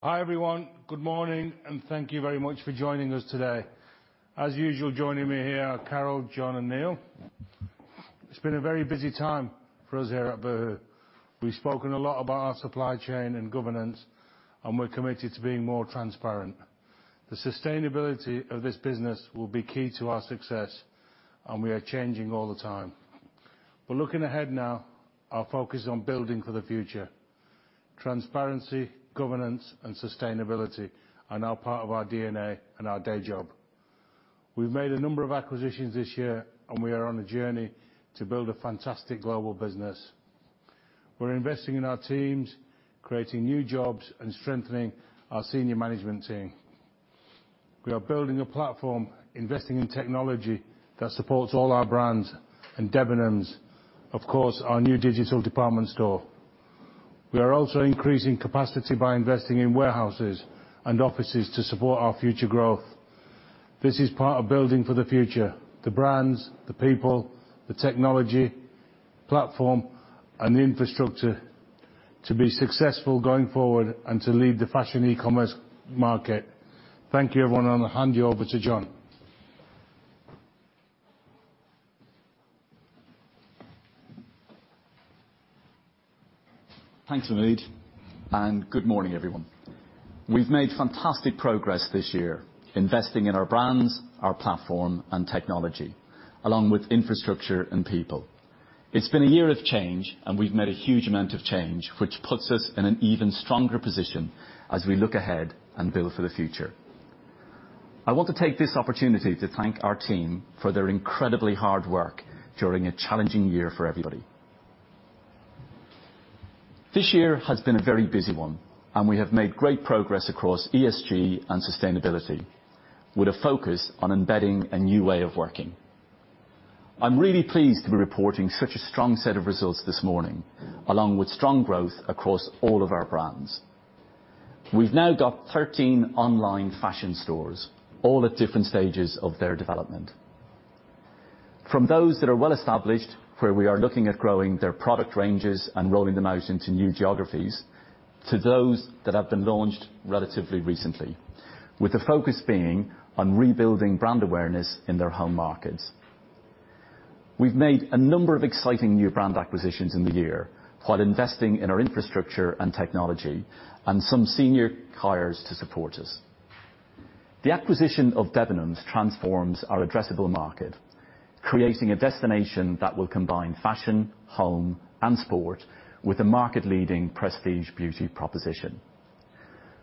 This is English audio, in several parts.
Hi everyone, good morning, and thank you very much for joining us today. As usual, joining me here are Carol, John, and Neil. It's been a very busy time for us here at Boohoo. We've spoken a lot about our supply chain and governance, and we're committed to being more transparent. The sustainability of this business will be key to our success, and we are changing all the time. But looking ahead now, our focus is on building for the future. Transparency, governance, and sustainability are now part of our DNA and our day job. We've made a number of acquisitions this year, and we are on a journey to build a fantastic global business. We're investing in our teams, creating new jobs, and strengthening our senior management team. We are building a platform, investing in technology that supports all our brands and Debenhams, of course, our new digital department store. We are also increasing capacity by investing in warehouses and offices to support our future growth. This is part of building for the future: the brands, the people, the technology, platform, and the infrastructure to be successful going forward and to lead the fashion e-commerce market. Thank you, everyone, and I'll hand you over to John. Thanks, Mahmud, and good morning, everyone. We've made fantastic progress this year investing in our brands, our platform, and technology, along with infrastructure and people. It's been a year of change, and we've made a huge amount of change, which puts us in an even stronger position as we look ahead and build for the future. I want to take this opportunity to thank our team for their incredibly hard work during a challenging year for everybody. This year has been a very busy one, and we have made great progress across ESG and sustainability with a focus on embedding a new way of working. I'm really pleased to be reporting such a strong set of results this morning, along with strong growth across all of our brands. We've now got 13 online fashion stores, all at different stages of their development. From those that are well established, where we are looking at growing their product ranges and rolling them out into new geographies, to those that have been launched relatively recently, with the focus being on rebuilding brand awareness in their home markets. We've made a number of exciting new brand acquisitions in the year while investing in our infrastructure and technology and some senior hires to support us. The acquisition of Debenhams transforms our addressable market, creating a destination that will combine fashion, home, and sport with a market-leading prestige beauty proposition.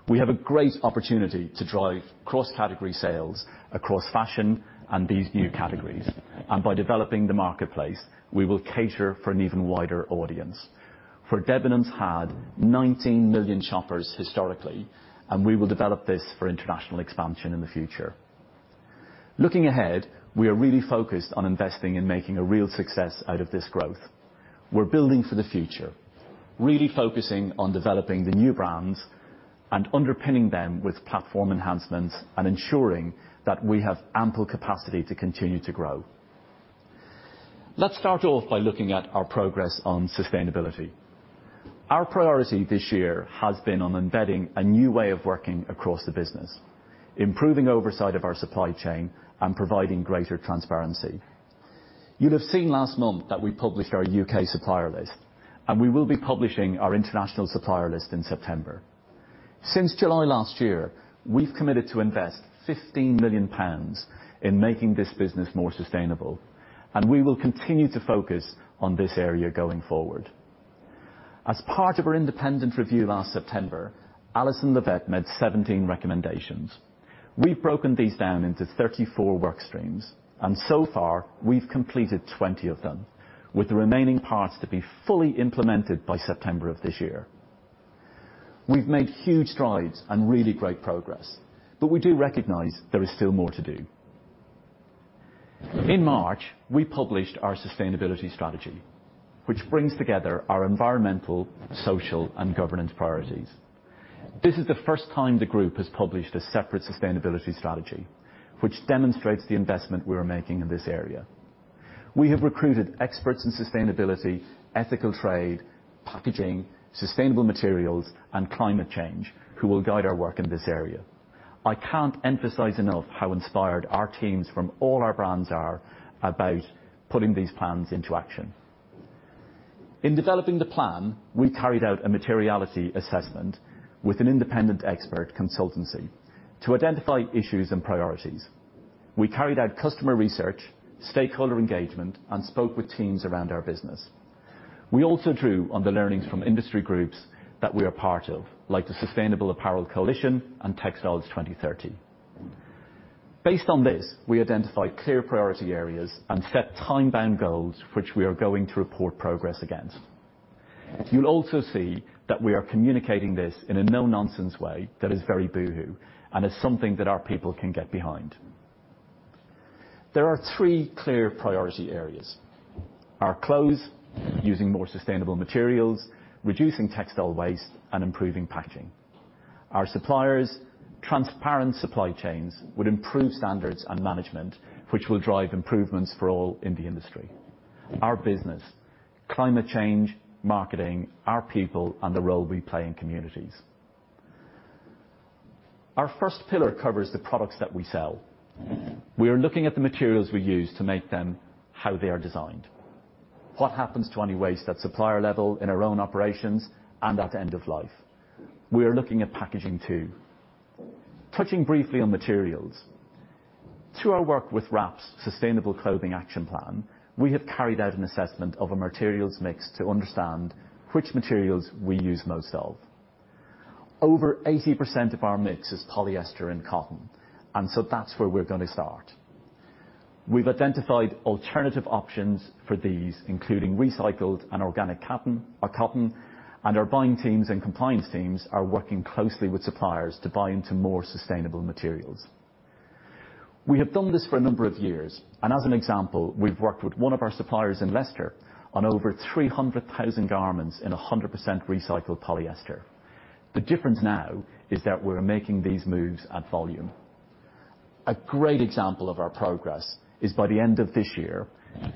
We have a great opportunity to drive cross-category sales across fashion and these new categories, and by developing the marketplace, we will cater for an even wider audience. For Debenhams, we had 19 million shoppers historically, and we will develop this for international expansion in the future. Looking ahead, we are really focused on investing in making a real success out of this growth. We're building for the future, really focusing on developing the new brands and underpinning them with platform enhancements and ensuring that we have ample capacity to continue to grow. Let's start off by looking at our progress on sustainability. Our priority this year has been on embedding a new way of working across the business, improving oversight of our supply chain, and providing greater transparency. You'll have seen last month that we published our U.K. supplier list, and we will be publishing our international supplier list in September. Since July last year, we've committed to invest 15 million pounds in making this business more sustainable, and we will continue to focus on this area going forward. As part of our independent review last September, Alison Levitt made 17 recommendations. We've broken these down into 34 work streams, and so far, we've completed 20 of them, with the remaining parts to be fully implemented by September of this year. We've made huge strides and really great progress, but we do recognize there is still more to do. In March, we published our sustainability strategy, which brings together our environmental, social, and governance priorities. This is the first time the group has published a separate sustainability strategy, which demonstrates the investment we are making in this area. We have recruited experts in sustainability, ethical trade, packaging, sustainable materials, and climate change, who will guide our work in this area. I can't emphasize enough how inspired our teams from all our brands are about putting these plans into action. In developing the plan, we carried out a materiality assessment with an independent expert consultancy to identify issues and priorities. We carried out customer research, stakeholder engagement, and spoke with teams around our business. We also drew on the learnings from industry groups that we are part of, like the Sustainable Apparel Coalition and Textiles 2030. Based on this, we identified clear priority areas and set time-bound goals, which we are going to report progress against. You'll also see that we are communicating this in a no-nonsense way that is very Boohoo and is something that our people can get behind. There are three clear priority areas: our clothes, using more sustainable materials, reducing textile waste, and improving packaging. Our suppliers: transparent supply chains would improve standards and management, which will drive improvements for all in the industry. Our business: climate change, marketing, our people, and the role we play in communities. Our first pillar covers the products that we sell. We are looking at the materials we use to make them how they are designed, what happens to any waste at supplier level in our own operations and at end of life. We are looking at packaging too. Touching briefly on materials, through our work with WRAP's Sustainable Clothing Action Plan, we have carried out an assessment of our materials mix to understand which materials we use most of. Over 80% of our mix is polyester and cotton, and so that's where we're going to start. We've identified alternative options for these, including recycled and organic cotton, and our buying teams and compliance teams are working closely with suppliers to buy into more sustainable materials. We have done this for a number of years, and as an example, we've worked with one of our suppliers in Leicester on over 300,000 garments in 100% recycled polyester. The difference now is that we're making these moves at volume. A great example of our progress is by the end of this year,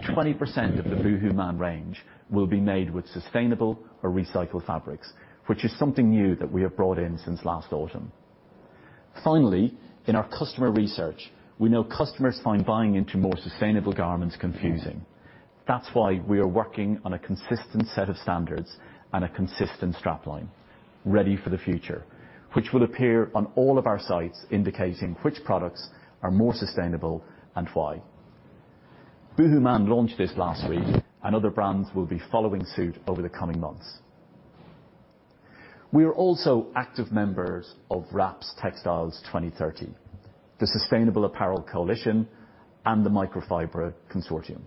20% of the boohooMAN range will be made with sustainable or recycled fabrics, which is something new that we have brought in since last autumn. Finally, in our customer research, we know customers find buying into more sustainable garments confusing. That's why we are working on a consistent set of standards and a consistent strap line, Ready for the Future, which will appear on all of our sites indicating which products are more sustainable and why. BoohooMAN launched this last week, and other brands will be following suit over the coming months. We are also active members of WRAP's Textiles 2030, the Sustainable Apparel Coalition, and the Microfibre Consortium,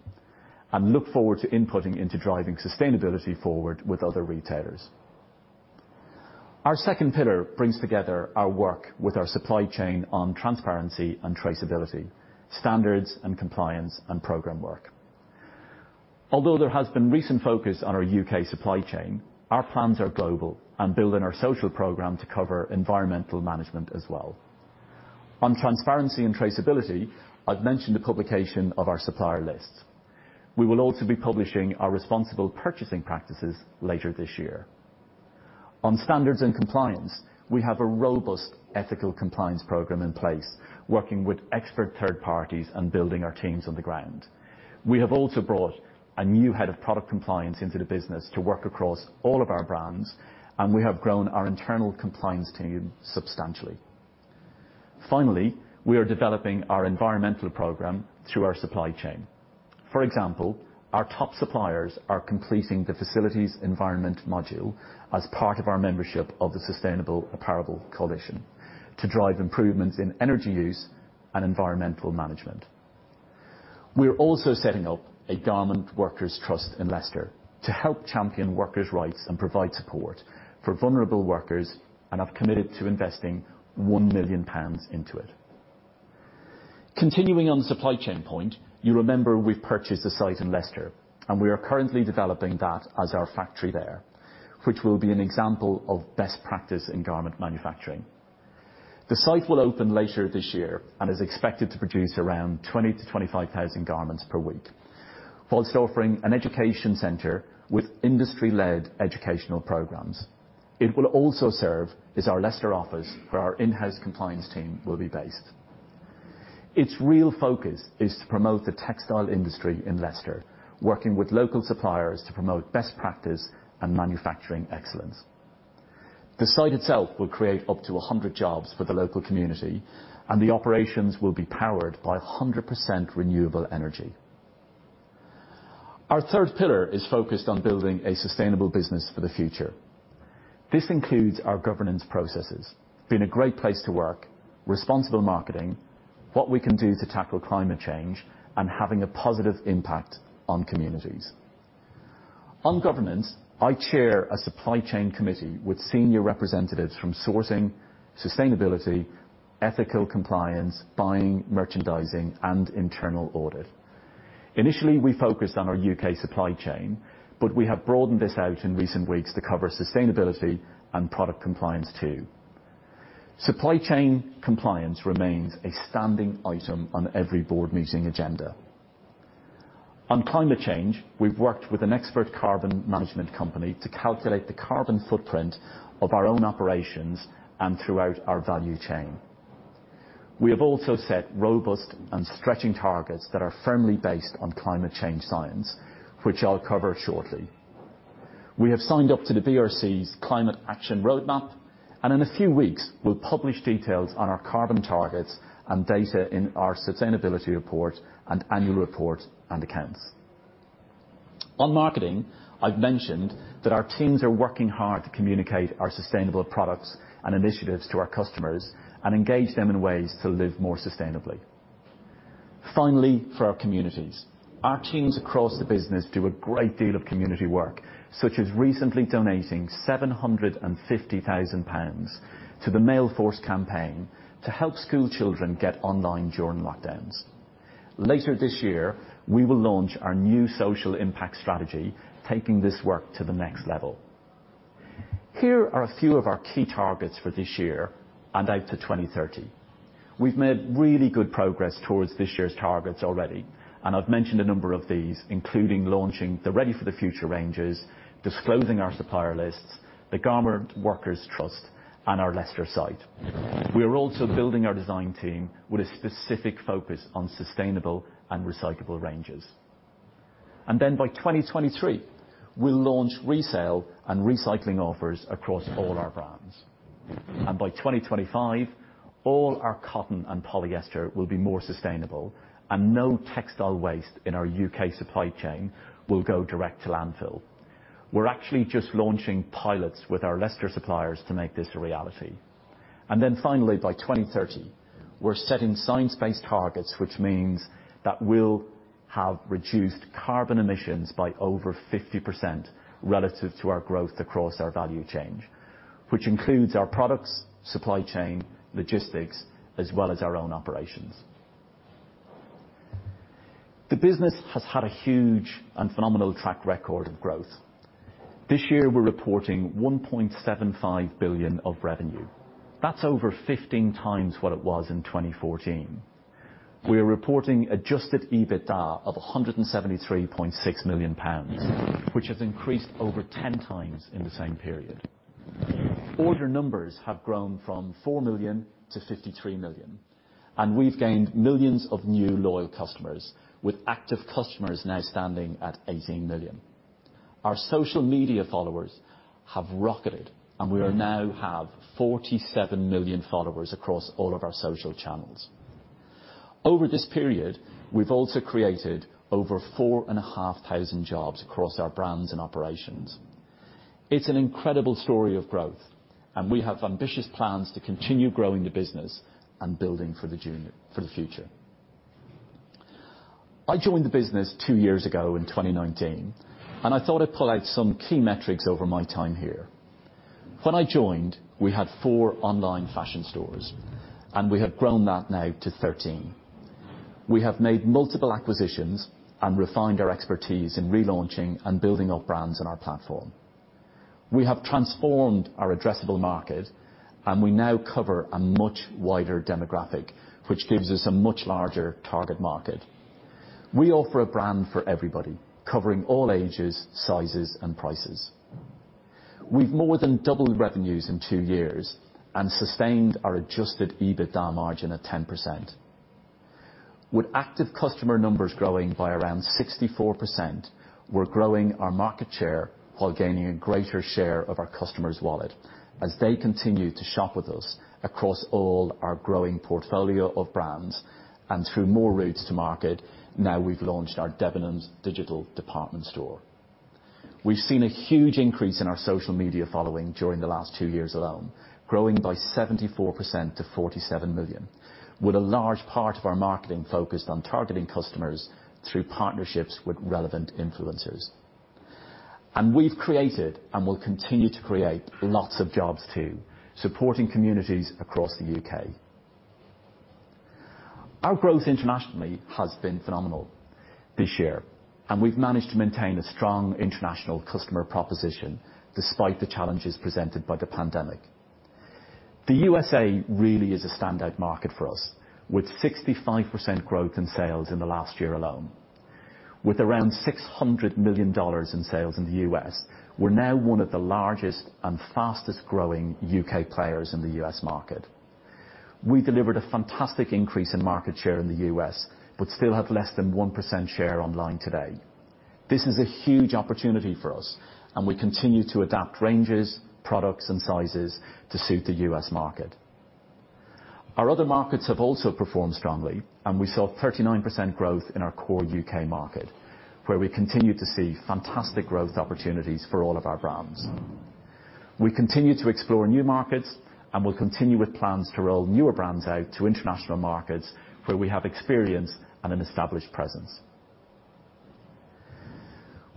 and look forward to inputting into driving sustainability forward with other retailers. Our second pillar brings together our work with our supply chain on transparency and traceability, standards and compliance, and program work. Although there has been recent focus on our U.K. supply chain, our plans are global and build on our social program to cover environmental management as well. On transparency and traceability, I've mentioned the publication of our supplier lists. We will also be publishing our responsible purchasing practices later this year. On standards and compliance, we have a robust ethical compliance program in place, working with expert third parties and building our teams on the ground. We have also brought a new head of product compliance into the business to work across all of our brands, and we have grown our internal compliance team substantially. Finally, we are developing our environmental program through our supply chain. For example, our top suppliers are completing the Facility Environmental Module as part of our membership of the Sustainable Apparel Coalition to drive improvements in energy use and environmental management. We're also setting up a Garment Workers Trust in Leicester to help champion workers' rights and provide support for vulnerable workers and have committed to investing 1 million pounds into it. Continuing on the supply chain point, you remember we've purchased a site in Leicester, and we are currently developing that as our factory there, which will be an example of best practice in garment manufacturing. The site will open later this year and is expected to produce around 20,000-25,000 garments per week. While offering an education center with industry-led educational programs, it will also serve as our Leicester office where our in-house compliance team will be based. Its real focus is to promote the textile industry in Leicester, working with local suppliers to promote best practice and manufacturing excellence. The site itself will create up to 100 jobs for the local community, and the operations will be powered by 100% renewable energy. Our third pillar is focused on building a sustainable business for the future. This includes our governance processes, being a great place to work, responsible marketing, what we can do to tackle climate change, and having a positive impact on communities. On governance, I chair a supply chain committee with senior representatives from sourcing, sustainability, ethical compliance, buying, merchandising, and internal audit. Initially, we focused on our U.K. supply chain, but we have broadened this out in recent weeks to cover sustainability and product compliance too. Supply chain compliance remains a standing item on every board meeting agenda. On climate change, we've worked with an expert carbon management company to calculate the carbon footprint of our own operations and throughout our value chain. We have also set robust and stretching targets that are firmly based on climate change science, which I'll cover shortly. We have signed up to the BRC's Climate Action Roadmap, and in a few weeks, we'll publish details on our carbon targets and data in our sustainability report and annual report and accounts. On marketing, I've mentioned that our teams are working hard to communicate our sustainable products and initiatives to our customers and engage them in ways to live more sustainably. Finally, for our communities, our teams across the business do a great deal of community work, such as recently donating 750,000 pounds to the Mail Force campaign to help school children get online during lockdowns. Later this year, we will launch our new social impact strategy, taking this work to the next level. Here are a few of our key targets for this year and out to 2030. We've made really good progress towards this year's targets already, and I've mentioned a number of these, including launching the Ready for the Future ranges, disclosing our supplier lists, the Garment Workers Trust, and our Leicester site. We are also building our design team with a specific focus on sustainable and recyclable ranges. And then by 2023, we'll launch resale and recycling offers across all our brands. And by 2025, all our cotton and polyester will be more sustainable, and no textile waste in our U.K. supply chain will go direct to landfill. We're actually just launching pilots with our Leicester suppliers to make this a reality. Then finally, by 2030, we're setting science-based targets, which means that we'll have reduced carbon emissions by over 50% relative to our growth across our value chain, which includes our products, supply chain, logistics, as well as our own operations. The business has had a huge and phenomenal track record of growth. This year, we're reporting 1.75 billion of revenue. That's over 15 times what it was in 2014. We are reporting Adjusted EBITDA of 173.6 million pounds, which has increased over 10 times in the same period. Order numbers have grown from 4 million to 53 million, and we've gained millions of new loyal customers, with active customers now standing at 18 million. Our social media followers have rocketed, and we now have 47 million followers across all of our social channels. Over this period, we've also created over 4,500 jobs across our brands and operations. It's an incredible story of growth, and we have ambitious plans to continue growing the business and building for the future. I joined the business two years ago in 2019, and I thought I'd pull out some key metrics over my time here. When I joined, we had four online fashion stores, and we have grown that now to 13. We have made multiple acquisitions and refined our expertise in relaunching and building our brands and our platform. We have transformed our addressable market, and we now cover a much wider demographic, which gives us a much larger target market. We offer a brand for everybody, covering all ages, sizes, and prices. We've more than doubled revenues in two years and sustained our Adjusted EBITDA margin at 10%. With active customer numbers growing by around 64%, we're growing our market share while gaining a greater share of our customer's wallet as they continue to shop with us across all our growing portfolio of brands and through more routes to market. Now we've launched our Debenhams digital department store. We've seen a huge increase in our social media following during the last two years alone, growing by 74% to 47 million, with a large part of our marketing focused on targeting customers through partnerships with relevant influencers. And we've created and will continue to create lots of jobs too, supporting communities across the UK. Our growth internationally has been phenomenal this year, and we've managed to maintain a strong international customer proposition despite the challenges presented by the pandemic. The USA really is a standout market for us, with 65% growth in sales in the last year alone. With around $600 million in sales in the US, we're now one of the largest and fastest-growing UK players in the US market. We delivered a fantastic increase in market share in the US but still have less than 1% share online today. This is a huge opportunity for us, and we continue to adapt ranges, products, and sizes to suit the US market. Our other markets have also performed strongly, and we saw 39% growth in our core UK market, where we continue to see fantastic growth opportunities for all of our brands. We continue to explore new markets and will continue with plans to roll newer brands out to international markets where we have experience and an established presence.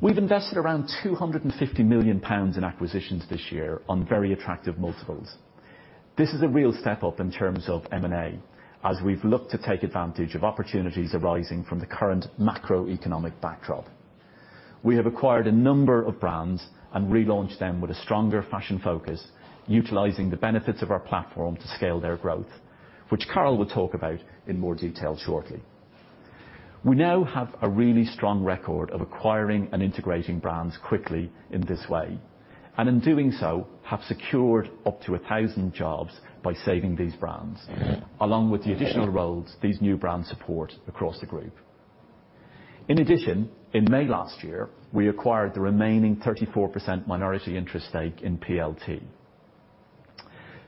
We've invested around 250 million pounds in acquisitions this year on very attractive multiples. This is a real step up in terms of M&A, as we've looked to take advantage of opportunities arising from the current macroeconomic backdrop. We have acquired a number of brands and relaunched them with a stronger fashion focus, utilizing the benefits of our platform to scale their growth, which Carol will talk about in more detail shortly. We now have a really strong record of acquiring and integrating brands quickly in this way, and in doing so, have secured up to 1,000 jobs by saving these brands, along with the additional roles these new brands support across the group. In addition, in May last year, we acquired the remaining 34% minority interest stake in PLT.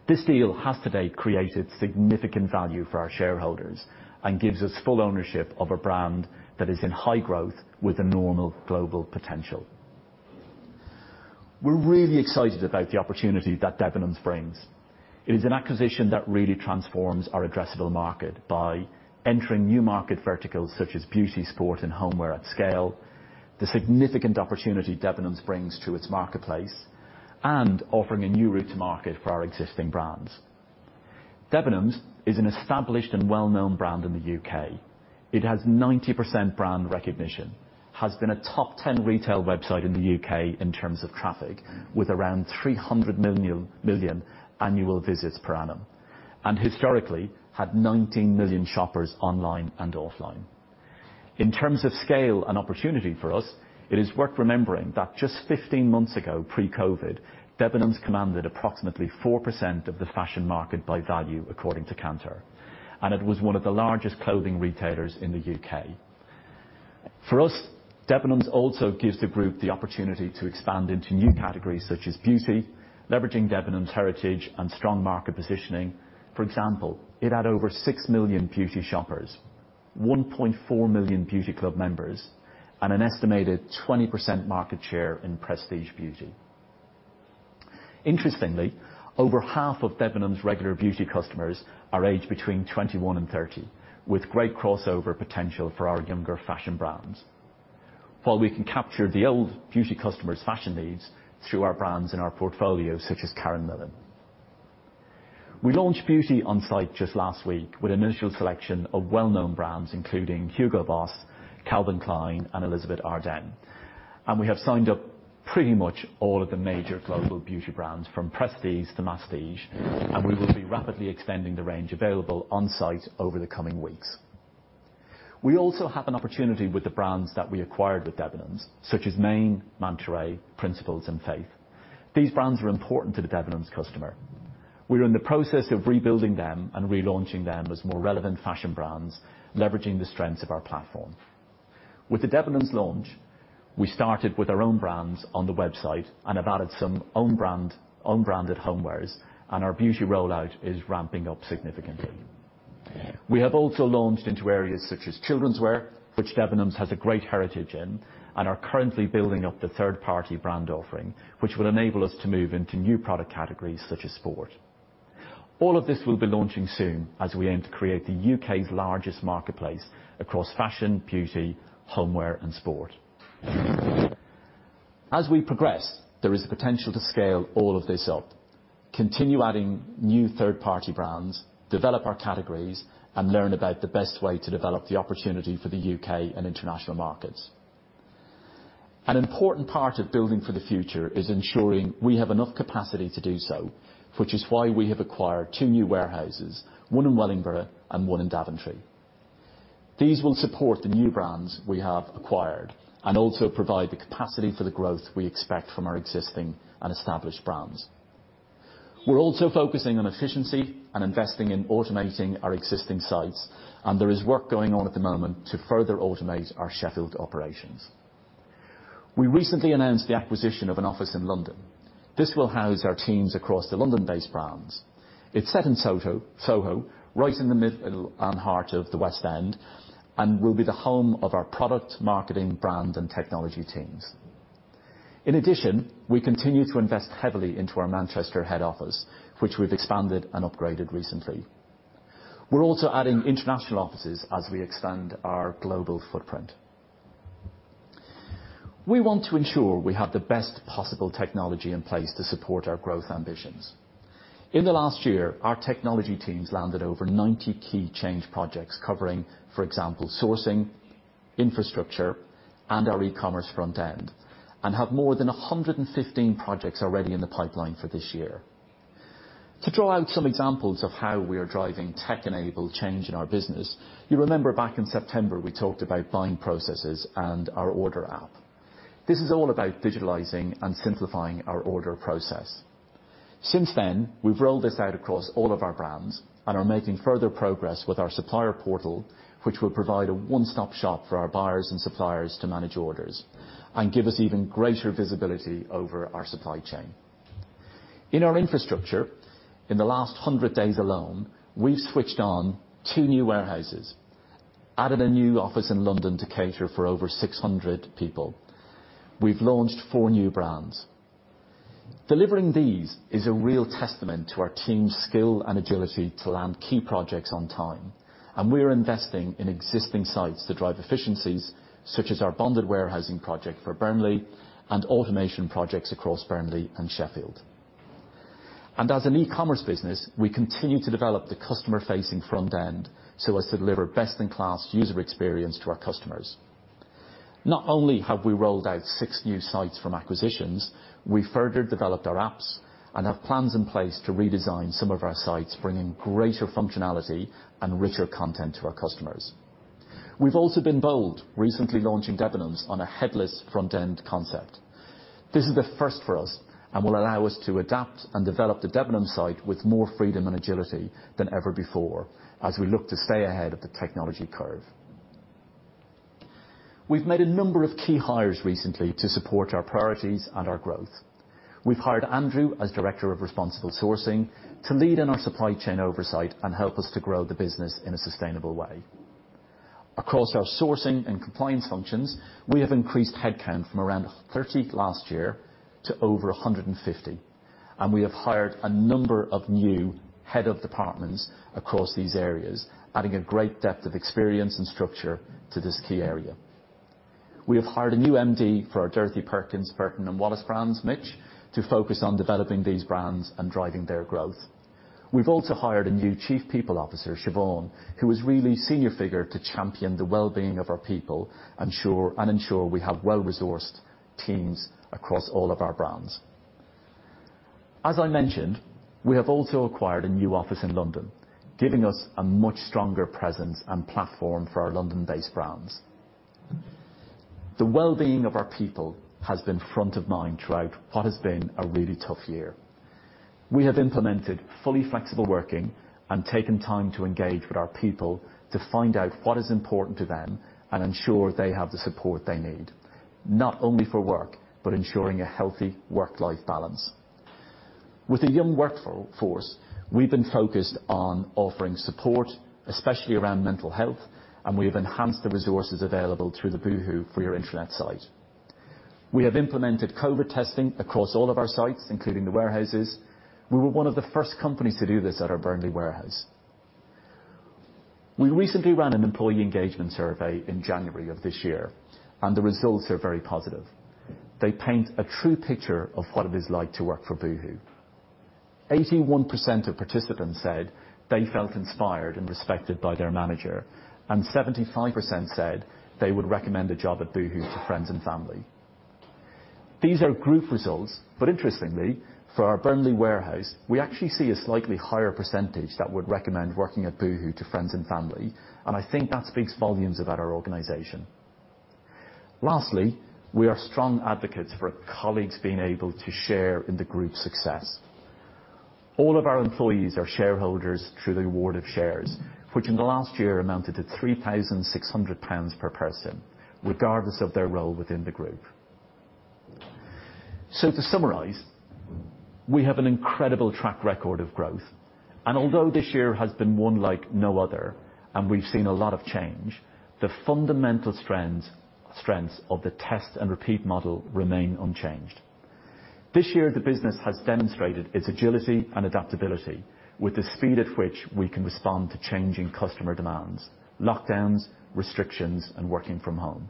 This deal has today created significant value for our shareholders and gives us full ownership of a brand that is in high growth with a enormous global potential. We're really excited about the opportunity that Debenhams brings. It is an acquisition that really transforms our addressable market by entering new market verticals such as beauty, sport, and homeware at scale, the significant opportunity Debenhams brings to its marketplace, and offering a new route to market for our existing brands. Debenhams is an established and well-known brand in the UK. It has 90% brand recognition, has been a top 10 retail website in the UK in terms of traffic, with around 300 million annual visits per annum, and historically had 19 million shoppers online and offline. In terms of scale and opportunity for us, it is worth remembering that just 15 months ago, pre-COVID, Debenhams commanded approximately 4% of the fashion market by value, according to Kantar, and it was one of the largest clothing retailers in the UK. For us, Debenhams also gives the group the opportunity to expand into new categories such as beauty, leveraging Debenhams' heritage and strong market positioning. For example, it had over 6 million beauty shoppers, 1.4 million Beauty Club members, and an estimated 20% market share in prestige beauty. Interestingly, over half of Debenhams' regular beauty customers are aged between 21 and 30, with great crossover potential for our younger fashion brands, while we can capture the older beauty customers' fashion needs through our brands in our portfolio, such as Karen Millen. We launched beauty on site just last week with an initial selection of well-known brands, including Hugo Boss, Calvin Klein, and Elizabeth Arden, and we have signed up pretty much all of the major global beauty brands from prestige to masstige, and we will be rapidly extending the range available on site over the coming weeks. We also have an opportunity with the brands that we acquired with Debenhams, such as Maine, Mantaray, Principles, and Faith. These brands are important to the Debenhams customer. We are in the process of rebuilding them and relaunching them as more relevant fashion brands, leveraging the strengths of our platform. With the Debenhams launch, we started with our own brands on the website and have added some own-branded homewares, and our beauty rollout is ramping up significantly. We have also launched into areas such as children's wear, which Debenhams has a great heritage in, and are currently building up the third-party brand offering, which will enable us to move into new product categories such as sport. All of this will be launching soon as we aim to create the UK's largest marketplace across fashion, beauty, homeware, and sport. As we progress, there is a potential to scale all of this up, continue adding new third-party brands, develop our categories, and learn about the best way to develop the opportunity for the UK and international markets. An important part of building for the future is ensuring we have enough capacity to do so, which is why we have acquired two new warehouses, one in Wellingborough and one in Daventry. These will support the new brands we have acquired and also provide the capacity for the growth we expect from our existing and established brands. We're also focusing on efficiency and investing in automating our existing sites, and there is work going on at the moment to further automate our Sheffield operations. We recently announced the acquisition of an office in London. This will house our teams across the London-based brands. It's set in Soho, right in the middle and heart of the West End, and will be the home of our product, marketing, brand, and technology teams. In addition, we continue to invest heavily into our Manchester head office, which we've expanded and upgraded recently. We're also adding international offices as we expand our global footprint. We want to ensure we have the best possible technology in place to support our growth ambitions. In the last year, our technology teams landed over 90 key change projects covering, for example, sourcing, infrastructure, and our e-commerce front-end, and have more than 115 projects already in the pipeline for this year. To draw out some examples of how we are driving tech-enabled change in our business, you remember back in September we talked about buying processes and our order app. This is all about digitalizing and simplifying our order process. Since then, we've rolled this out across all of our brands and are making further progress with our supplier portal, which will provide a one-stop shop for our buyers and suppliers to manage orders and give us even greater visibility over our supply chain. In our infrastructure, in the last 100 days alone, we've switched on two new warehouses, added a new office in London to cater for over 600 people. We've launched four new brands. Delivering these is a real testament to our team's skill and agility to land key projects on time, and we are investing in existing sites to drive efficiencies, such as our bonded warehousing project for Burnley and automation projects across Burnley and Sheffield. As an e-commerce business, we continue to develop the customer-facing front end so as to deliver best-in-class user experience to our customers. Not only have we rolled out six new sites from acquisitions, we further developed our apps and have plans in place to redesign some of our sites, bringing greater functionality and richer content to our customers. We've also been bold, recently launching Debenhams on a headless front-end concept. This is the first for us and will allow us to adapt and develop the Debenhams site with more freedom and agility than ever before as we look to stay ahead of the technology curve. We've made a number of key hires recently to support our priorities and our growth. We've hired Andrew as Director of Responsible Sourcing to lead in our supply chain oversight and help us to grow the business in a sustainable way. Across our sourcing and compliance functions, we have increased headcount from around 30 last year to over 150, and we have hired a number of new head of departments across these areas, adding a great depth of experience and structure to this key area. We have hired a new MD for our Dorothy Perkins, Burton, and Wallis brands, Mitchell Hughes, to focus on developing these brands and driving their growth. We've also hired a new Chief People Officer, Siobhan Hyland, who is really a senior figure to champion the well-being of our people and ensure we have well-resourced teams across all of our brands. As I mentioned, we have also acquired a new office in London, giving us a much stronger presence and platform for our London-based brands. The well-being of our people has been front of mind throughout what has been a really tough year. We have implemented fully flexible working and taken time to engage with our people to find out what is important to them and ensure they have the support they need, not only for work, but ensuring a healthy work-life balance. With a young workforce, we've been focused on offering support, especially around mental health, and we have enhanced the resources available through the Boohoo4u intranet site. We have implemented COVID testing across all of our sites, including the warehouses. We were one of the first companies to do this at our Burnley warehouse. We recently ran an employee engagement survey in January of this year, and the results are very positive. They paint a true picture of what it is like to work for Boohoo. 81% of participants said they felt inspired and respected by their manager, and 75% said they would recommend a job at Boohoo to friends and family. These are group results, but interestingly, for our Burnley warehouse, we actually see a slightly higher percentage that would recommend working at Boohoo to friends and family, and I think that speaks volumes about our organization. Lastly, we are strong advocates for colleagues being able to share in the group's success. All of our employees are shareholders through the award of shares, which in the last year amounted to 3,600 pounds per person, regardless of their role within the group. To summarize, we have an incredible track record of growth, and although this year has been one like no other and we've seen a lot of change, the fundamental strengths of the test and repeat model remain unchanged. This year, the business has demonstrated its agility and adaptability with the speed at which we can respond to changing customer demands, lockdowns, restrictions, and working from home.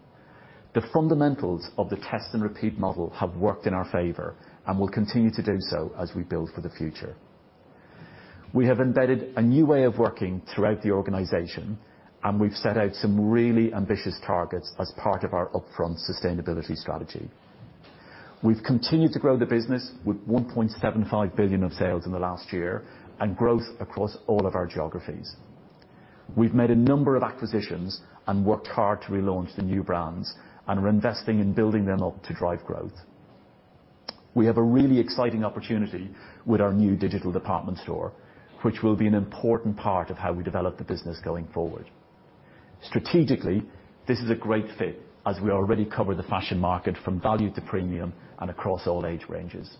The fundamentals of the test and repeat model have worked in our favor and will continue to do so as we build for the future. We have embedded a new way of working throughout the organization, and we've set out some really ambitious targets as part of our upfront sustainability strategy. We've continued to grow the business with 1.75 billion of sales in the last year and growth across all of our geographies. We've made a number of acquisitions and worked hard to relaunch the new brands and are investing in building them up to drive growth. We have a really exciting opportunity with our new digital department store, which will be an important part of how we develop the business going forward. Strategically, this is a great fit as we already cover the fashion market from value to premium and across all age ranges.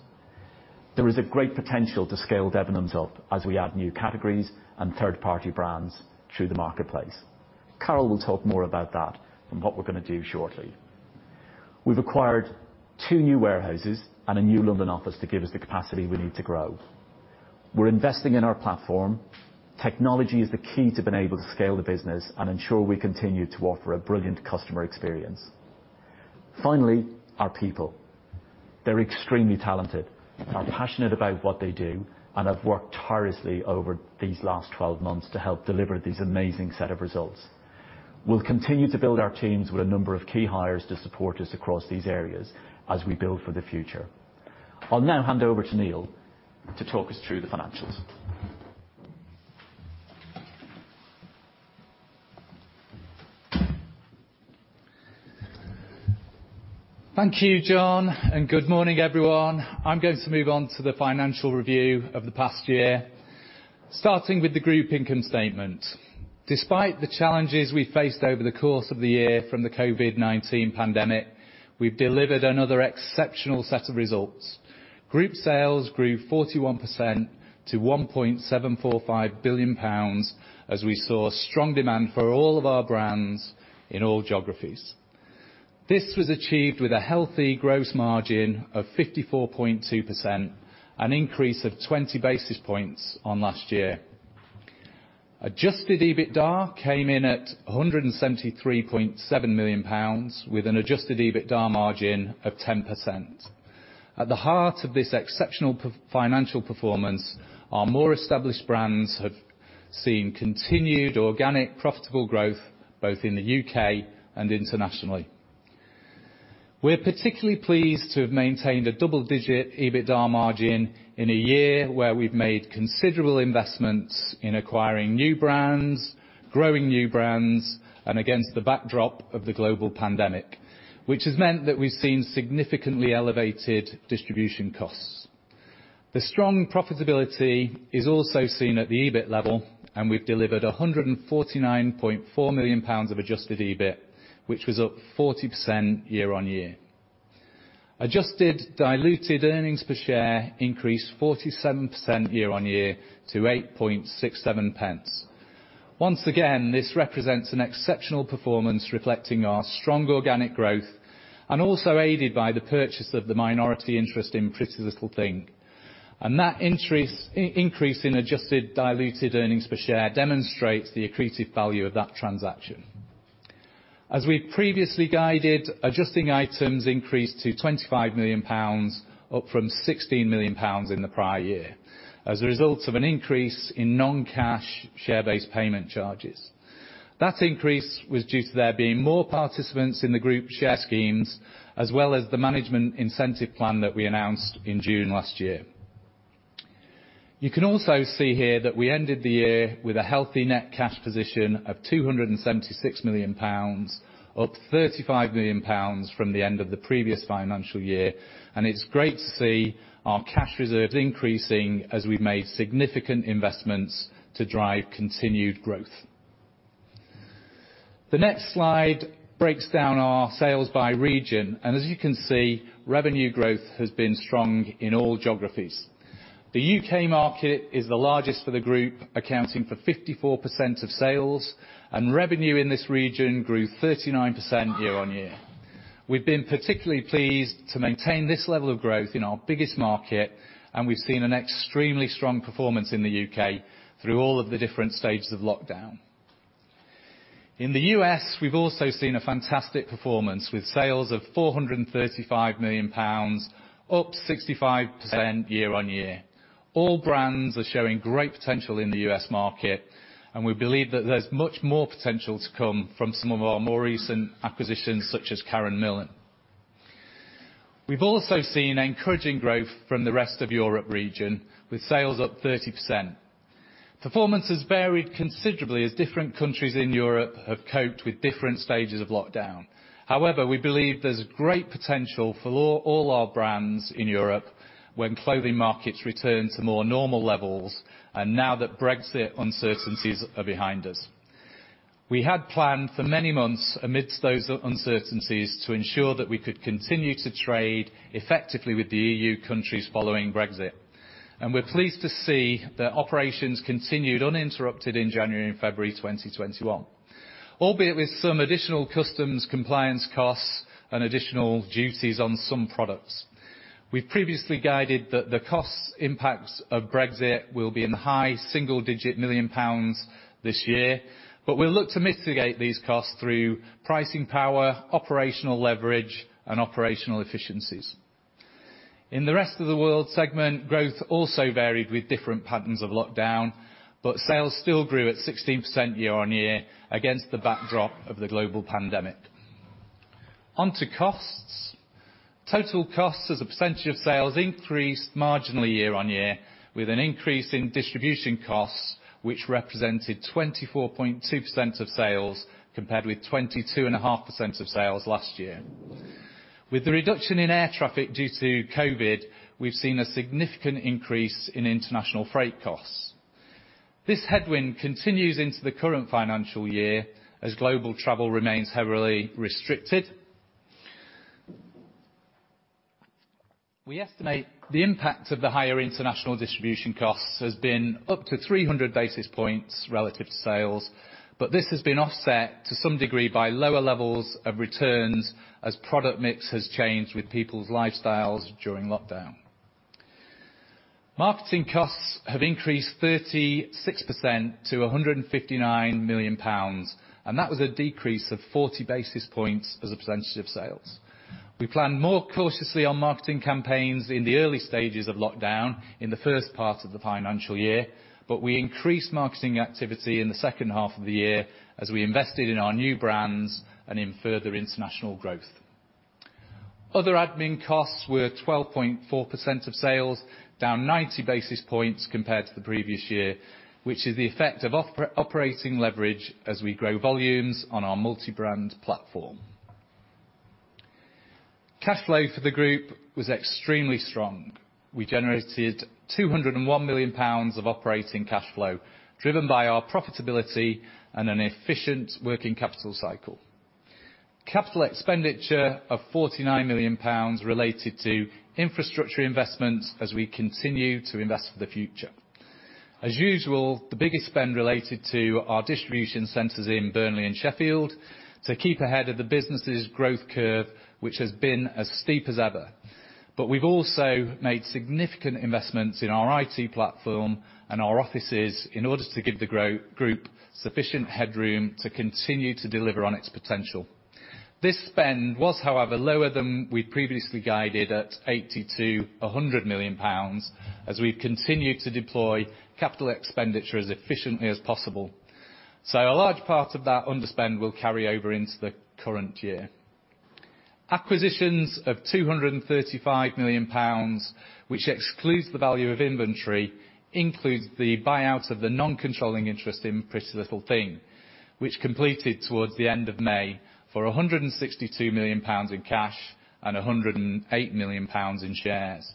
There is a great potential to scale Debenhams up as we add new categories and third-party brands through the marketplace. Carol will talk more about that and what we're going to do shortly. We've acquired two new warehouses and a new London office to give us the capacity we need to grow. We're investing in our platform. Technology is the key to being able to scale the business and ensure we continue to offer a brilliant customer experience. Finally, our people. They're extremely talented, are passionate about what they do, and have worked tirelessly over these last 12 months to help deliver this amazing set of results. We'll continue to build our teams with a number of key hires to support us across these areas as we build for the future. I'll now hand over to Neil to talk us through the financials. Thank you, John, and good morning, everyone. I'm going to move on to the financial review of the past year, starting with the group income statement. Despite the challenges we faced over the course of the year from the COVID-19 pandemic, we've delivered another exceptional set of results. Group sales grew 41% to 1.745 billion pounds as we saw strong demand for all of our brands in all geographies. This was achieved with a healthy gross margin of 54.2%, an increase of 20 basis points on last year. Adjusted EBITDA came in at 173.7 million pounds with an adjusted EBITDA margin of 10%. At the heart of this exceptional financial performance, our more established brands have seen continued organic profitable growth both in the UK and internationally. We're particularly pleased to have maintained a double-digit EBITDA margin in a year where we've made considerable investments in acquiring new brands, growing new brands, and against the backdrop of the global pandemic, which has meant that we've seen significantly elevated distribution costs. The strong profitability is also seen at the EBIT level, and we've delivered 149.4 million pounds of adjusted EBIT, which was up 40% year-on-year. Adjusted diluted earnings per share increased 47% year-on-year to 8.67. Once again, this represents an exceptional performance reflecting our strong organic growth and also aided by the purchase of the minority interest in PrettyLittleThing. That increase in adjusted diluted earnings per share demonstrates the accretive value of that transaction. As we've previously guided, adjusting items increased to 25 million pounds, up from 16 million pounds in the prior year, as a result of an increase in non-cash share-based payment charges. That increase was due to there being more participants in the group share schemes, as well as the management incentive plan that we announced in June last year. You can also see here that we ended the year with a healthy net cash position of 276 million pounds, up 35 million pounds from the end of the previous financial year, and it's great to see our cash reserves increasing as we've made significant investments to drive continued growth. The next slide breaks down our sales by region, and as you can see, revenue growth has been strong in all geographies. The U.K. market is the largest for the group, accounting for 54% of sales, and revenue in this region grew 39% year-on-year. We've been particularly pleased to maintain this level of growth in our biggest market, and we've seen an extremely strong performance in the U.K. through all of the different stages of lockdown. In the U.S., we've also seen a fantastic performance with sales of 435 million pounds, up 65% year-on-year. All brands are showing great potential in the U.S. market, and we believe that there's much more potential to come from some of our more recent acquisitions, such as Karen Millen. We've also seen encouraging growth from the rest of Europe region, with sales up 30%. Performance has varied considerably as different countries in Europe have coped with different stages of lockdown. However, we believe there's great potential for all our brands in Europe when clothing markets return to more normal levels and now that Brexit uncertainties are behind us. We had planned for many months amidst those uncertainties to ensure that we could continue to trade effectively with the EU countries following Brexit, and we're pleased to see that operations continued uninterrupted in January and February 2021, albeit with some additional customs compliance costs and additional duties on some products. We've previously guided that the cost impacts of Brexit will be in the high single-digit million GBP this year, but we'll look to mitigate these costs through pricing power, operational leverage, and operational efficiencies. In the rest of the world segment, growth also varied with different patterns of lockdown, but sales still grew at 16% year-on-year against the backdrop of the global pandemic. Onto costs. Total costs as a percentage of sales increased marginally year-on-year, with an increase in distribution costs, which represented 24.2% of sales compared with 22.5% of sales last year. With the reduction in air traffic due to COVID, we've seen a significant increase in international freight costs. This headwind continues into the current financial year as global travel remains heavily restricted. We estimate the impact of the higher international distribution costs has been up to 300 basis points relative to sales, but this has been offset to some degree by lower levels of returns as product mix has changed with people's lifestyles during lockdown. Marketing costs have increased 36% to 159 million pounds, and that was a decrease of 40 basis points as a percentage of sales. We planned more cautiously on marketing campaigns in the early stages of lockdown in the first part of the financial year, but we increased marketing activity in the second half of the year as we invested in our new brands and in further international growth. Other admin costs were 12.4% of sales, down 90 basis points compared to the previous year, which is the effect of operating leverage as we grow volumes on our multi-brand platform. Cash flow for the group was extremely strong. We generated 201 million pounds of operating cash flow driven by our profitability and an efficient working capital cycle. Capital expenditure of 49 million pounds related to infrastructure investments as we continue to invest for the future. As usual, the biggest spend related to our distribution centers in Burnley and Sheffield to keep ahead of the business's growth curve, which has been as steep as ever. But we've also made significant investments in our IT platform and our offices in order to give the group sufficient headroom to continue to deliver on its potential. This spend was, however, lower than we'd previously guided at 82 million pounds as we've continued to deploy capital expenditure as efficiently as possible. So a large part of that underspend will carry over into the current year. Acquisitions of 235 million pounds, which excludes the value of inventory, include the buyout of the non-controlling interest in PrettyLittleThing, which completed towards the end of May for GBP 162 million in cash and GBP 108 million in shares.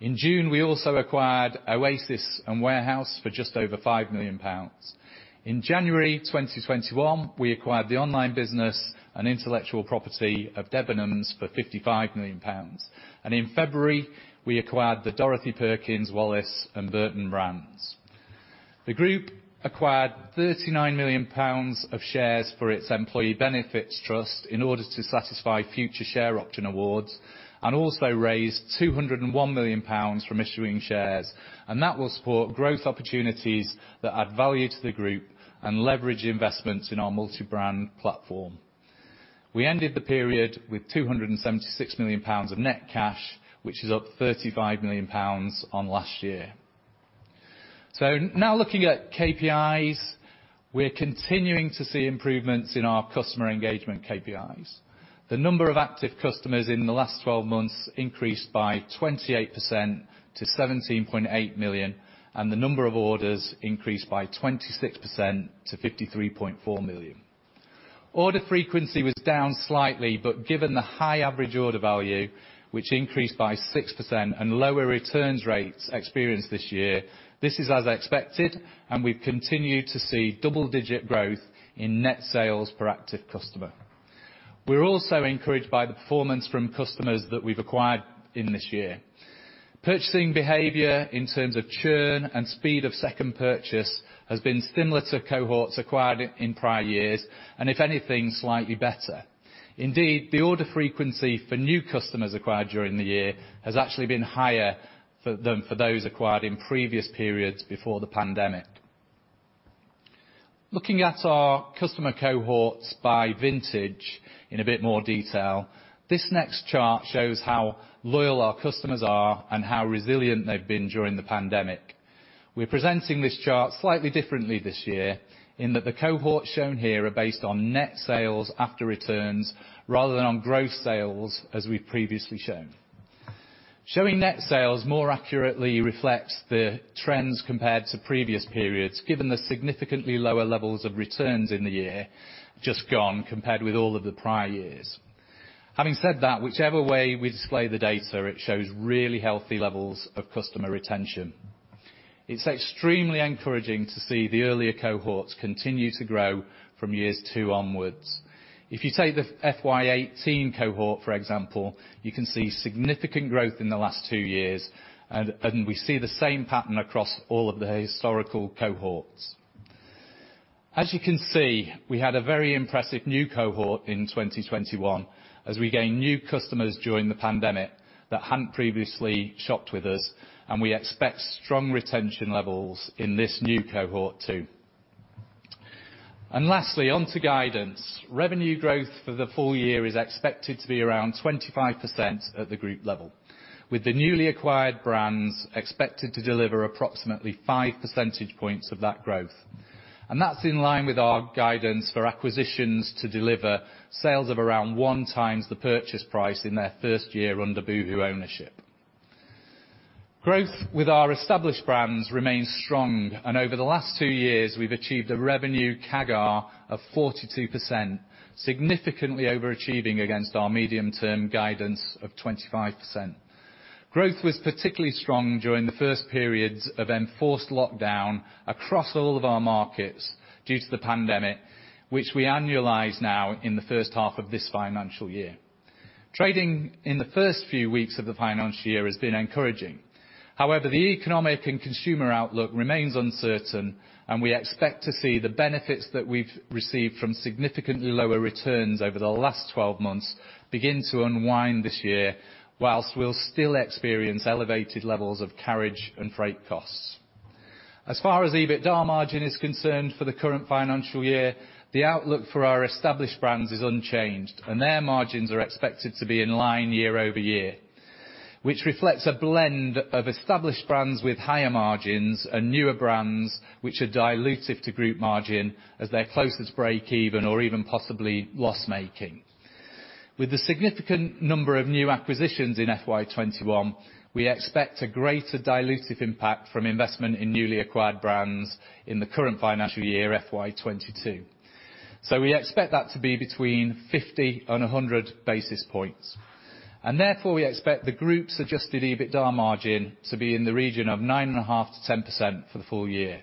In June, we also acquired Oasis and Warehouse for just over GBP 5 million. In January 2021, we acquired the online business and intellectual property of Debenhams for 55 million pounds. In February, we acquired the Dorothy Perkins, Wallis, and Burton brands. The group acquired 39 million pounds of shares for its Employee Benefits Trust in order to satisfy future share option awards and also raised 201 million pounds from issuing shares, and that will support growth opportunities that add value to the group and leverage investments in our multi-brand platform. We ended the period with 276 million pounds of net cash, which is up 35 million pounds on last year. So now looking at KPIs, we're continuing to see improvements in our customer engagement KPIs. The number of active customers in the last 12 months increased by 28% to 17.8 million, and the number of orders increased by 26% to 53.4 million. Order frequency was down slightly, but given the high average order value, which increased by 6%, and lower returns rates experienced this year, this is as expected, and we've continued to see double-digit growth in net sales per active customer. We're also encouraged by the performance from customers that we've acquired in this year. Purchasing behavior in terms of churn and speed of second purchase has been similar to cohorts acquired in prior years, and if anything, slightly better. Indeed, the order frequency for new customers acquired during the year has actually been higher than for those acquired in previous periods before the pandemic. Looking at our customer cohorts by vintage in a bit more detail, this next chart shows how loyal our customers are and how resilient they've been during the pandemic. We're presenting this chart slightly differently this year in that the cohorts shown here are based on net sales after returns rather than on gross sales as we've previously shown. Showing net sales more accurately reflects the trends compared to previous periods, given the significantly lower levels of returns in the year just gone compared with all of the prior years. Having said that, whichever way we display the data, it shows really healthy levels of customer retention. It's extremely encouraging to see the earlier cohorts continue to grow from years two onwards. If you take the FY18 cohort, for example, you can see significant growth in the last two years, and we see the same pattern across all of the historical cohorts. As you can see, we had a very impressive new cohort in 2021 as we gained new customers during the pandemic that hadn't previously shopped with us, and we expect strong retention levels in this new cohort too. Lastly, onto guidance, revenue growth for the full year is expected to be around 25% at the group level, with the newly acquired brands expected to deliver approximately 5 percentage points of that growth. That's in line with our guidance for acquisitions to deliver sales of around 1x the purchase price in their first year under Boohoo ownership. Growth with our established brands remains strong, and over the last two years, we've achieved a revenue CAGR of 42%, significantly overachieving against our medium-term guidance of 25%. Growth was particularly strong during the first periods of enforced lockdown across all of our markets due to the pandemic, which we annualize now in the first half of this financial year. Trading in the first few weeks of the financial year has been encouraging. However, the economic and consumer outlook remains uncertain, and we expect to see the benefits that we've received from significantly lower returns over the last 12 months begin to unwind this year, whilst we'll still experience elevated levels of carriage and freight costs. As far as EBITDA margin is concerned for the current financial year, the outlook for our established brands is unchanged, and their margins are expected to be in line year-over-year, which reflects a blend of established brands with higher margins and newer brands which are dilutive to group margin as they're closer to break-even or even possibly loss-making. With the significant number of new acquisitions in FY21, we expect a greater dilutive impact from investment in newly acquired brands in the current financial year, FY22. So we expect that to be between 50 and 100 basis points. Therefore, we expect the group's adjusted EBITDA margin to be in the region of 9.5%-10% for the full year.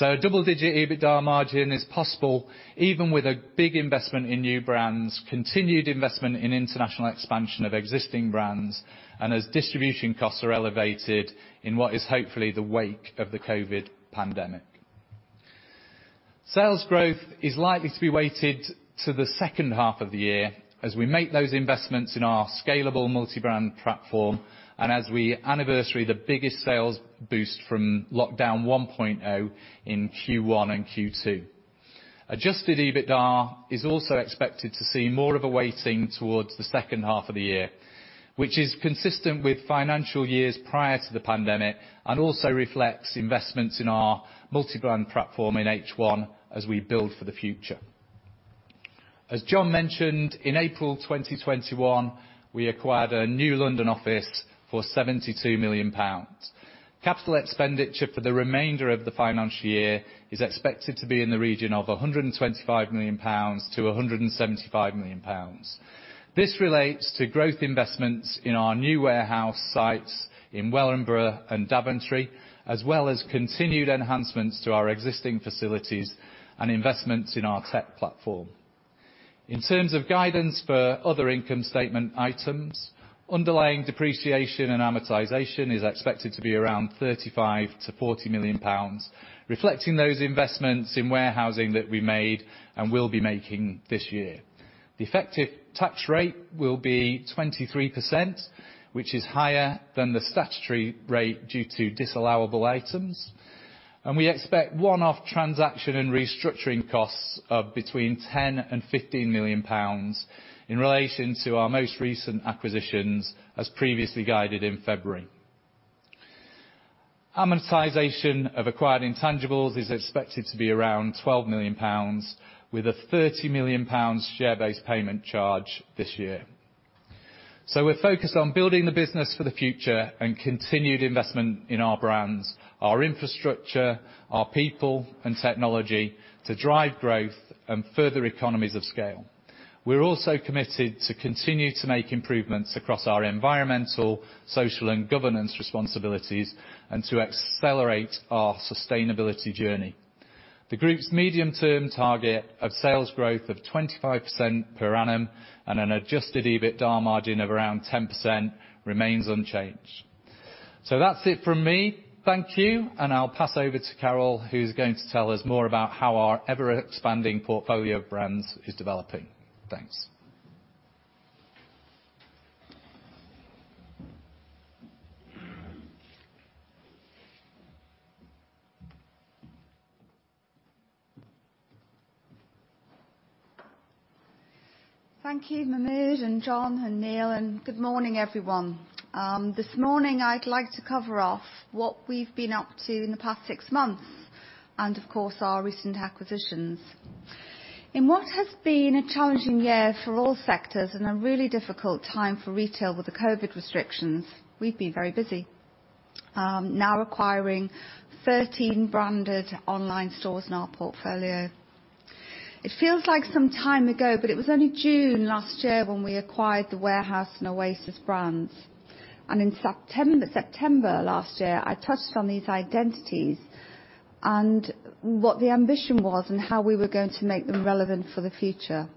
A double-digit EBITDA margin is possible even with a big investment in new brands, continued investment in international expansion of existing brands, and as distribution costs are elevated in what is hopefully the wake of the COVID pandemic. Sales growth is likely to be weighted to the second half of the year as we make those investments in our scalable multi-brand platform and as we anniversary the biggest sales boost from lockdown 1.0 in Q1 and Q2. Adjusted EBITDA is also expected to see more of a weighting towards the second half of the year, which is consistent with financial years prior to the pandemic and also reflects investments in our multi-brand platform in H1 as we build for the future. As John mentioned, in April 2021, we acquired a new London office for 72 million pounds. Capital expenditure for the remainder of the financial year is expected to be in the region of 125 million-175 million pounds. This relates to growth investments in our new warehouse sites in Wellingborough and Daventry, as well as continued enhancements to our existing facilities and investments in our tech platform. In terms of guidance for other income statement items, underlying depreciation and amortization is expected to be around 35 million-40 million pounds, reflecting those investments in warehousing that we made and will be making this year. The effective tax rate will be 23%, which is higher than the statutory rate due to disallowable items. We expect one-off transaction and restructuring costs of between 10 million and 15 million pounds in relation to our most recent acquisitions as previously guided in February. Amortization of acquired intangibles is expected to be around 12 million pounds, with a 30 million pounds share-based payment charge this year. So we're focused on building the business for the future and continued investment in our brands, our infrastructure, our people, and technology to drive growth and further economies of scale. We're also committed to continue to make improvements across our environmental, social, and governance responsibilities and to accelerate our sustainability journey. The group's medium-term target of sales growth of 25% per annum and an Adjusted EBITDA margin of around 10% remains unchanged. So that's it from me. Thank you, and I'll pass over to Carol, who's going to tell us more about how our ever-expanding portfolio of brands is developing. Thanks. Thank you, Mahmud, and John, and Neil. Good morning, everyone. This morning, I'd like to cover off what we've been up to in the past 6 months and, of course, our recent acquisitions. In what has been a challenging year for all sectors and a really difficult time for retail with the COVID restrictions, we've been very busy, now acquiring 13 branded online stores in our portfolio. It feels like some time ago, but it was only June last year when we acquired the Warehouse and Oasis brands. And in September last year, I touched on these identities and what the ambition was and how we were going to make them relevant for the future.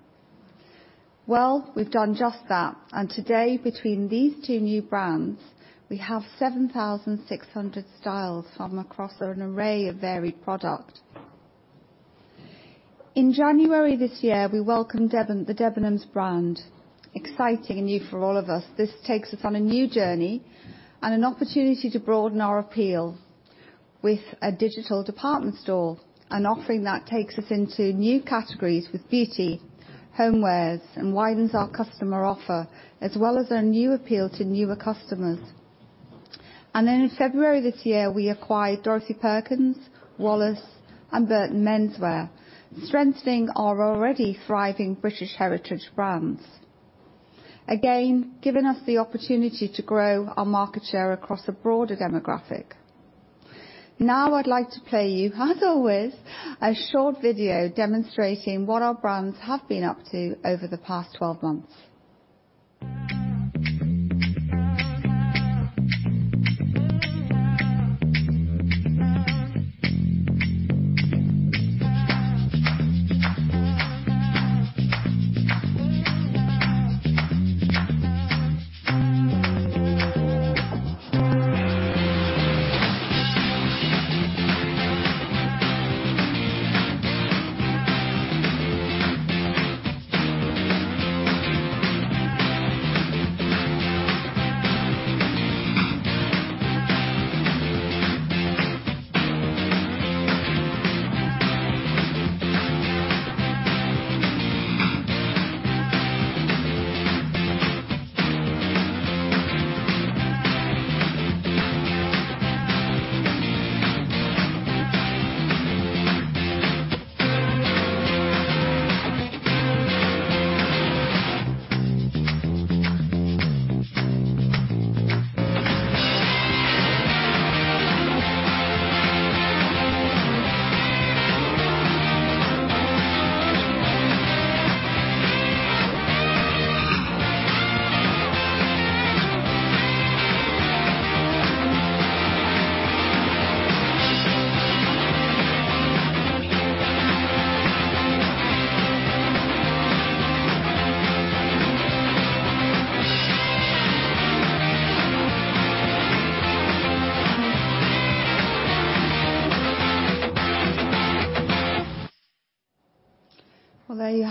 Well, we've done just that. And today, between these two new brands, we have 7,600 styles from across an array of varied products. In January this year, we welcomed the Debenhams brand. Exciting and new for all of us, this takes us on a new journey and an opportunity to broaden our appeal with a digital department store, an offering that takes us into new categories with beauty, homewares, and widens our customer offer, as well as our new appeal to newer customers. And then in February this year, we acquired Dorothy Perkins, Wallis, and Burton Menswear, strengthening our already thriving British heritage brands, again giving us the opportunity to grow our market share across a broader demographic. Now, I'd like to play you, as always, a short video demonstrating what our brands have been up to over the past 12 months.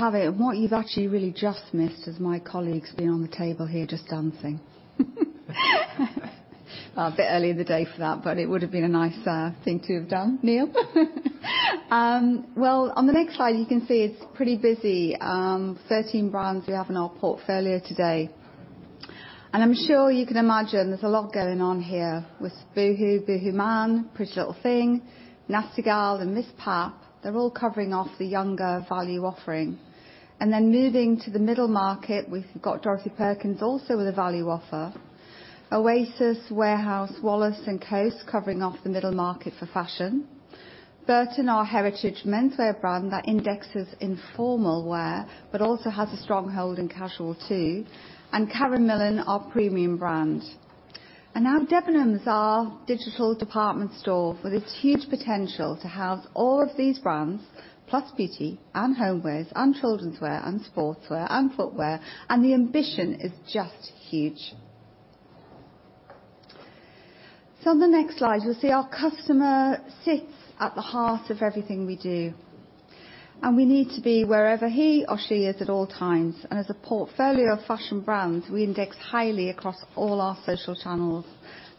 Well, there you have it. And what you've actually really just missed is my colleagues being on the table here just dancing. A bit early in the day for that, but it would have been a nice thing to have done, Neil. Well, on the next slide, you can see it's pretty busy. 13 brands we have in our portfolio today. I'm sure you can imagine there's a lot going on here with Boohoo, BoohooMAN, PrettyLittleThing, Nasty Gal, and MissPap. They're all covering off the younger value offering. Then moving to the middle market, we've got Dorothy Perkins also with a value offer. Oasis, Warehouse, Wallis, and Coast covering off the middle market for fashion. Burton, our heritage menswear brand that indexes informal wear but also has a strong hold in casual too. And Karen Millen, our premium brand. Now Debenhams, our digital department store, with its huge potential to house all of these brands, plus beauty and homewares and children's wear and sportswear and footwear. The ambition is just huge. On the next slide, you'll see our customer sits at the heart of everything we do. We need to be wherever he or she is at all times. As a portfolio of fashion brands, we index highly across all our social channels.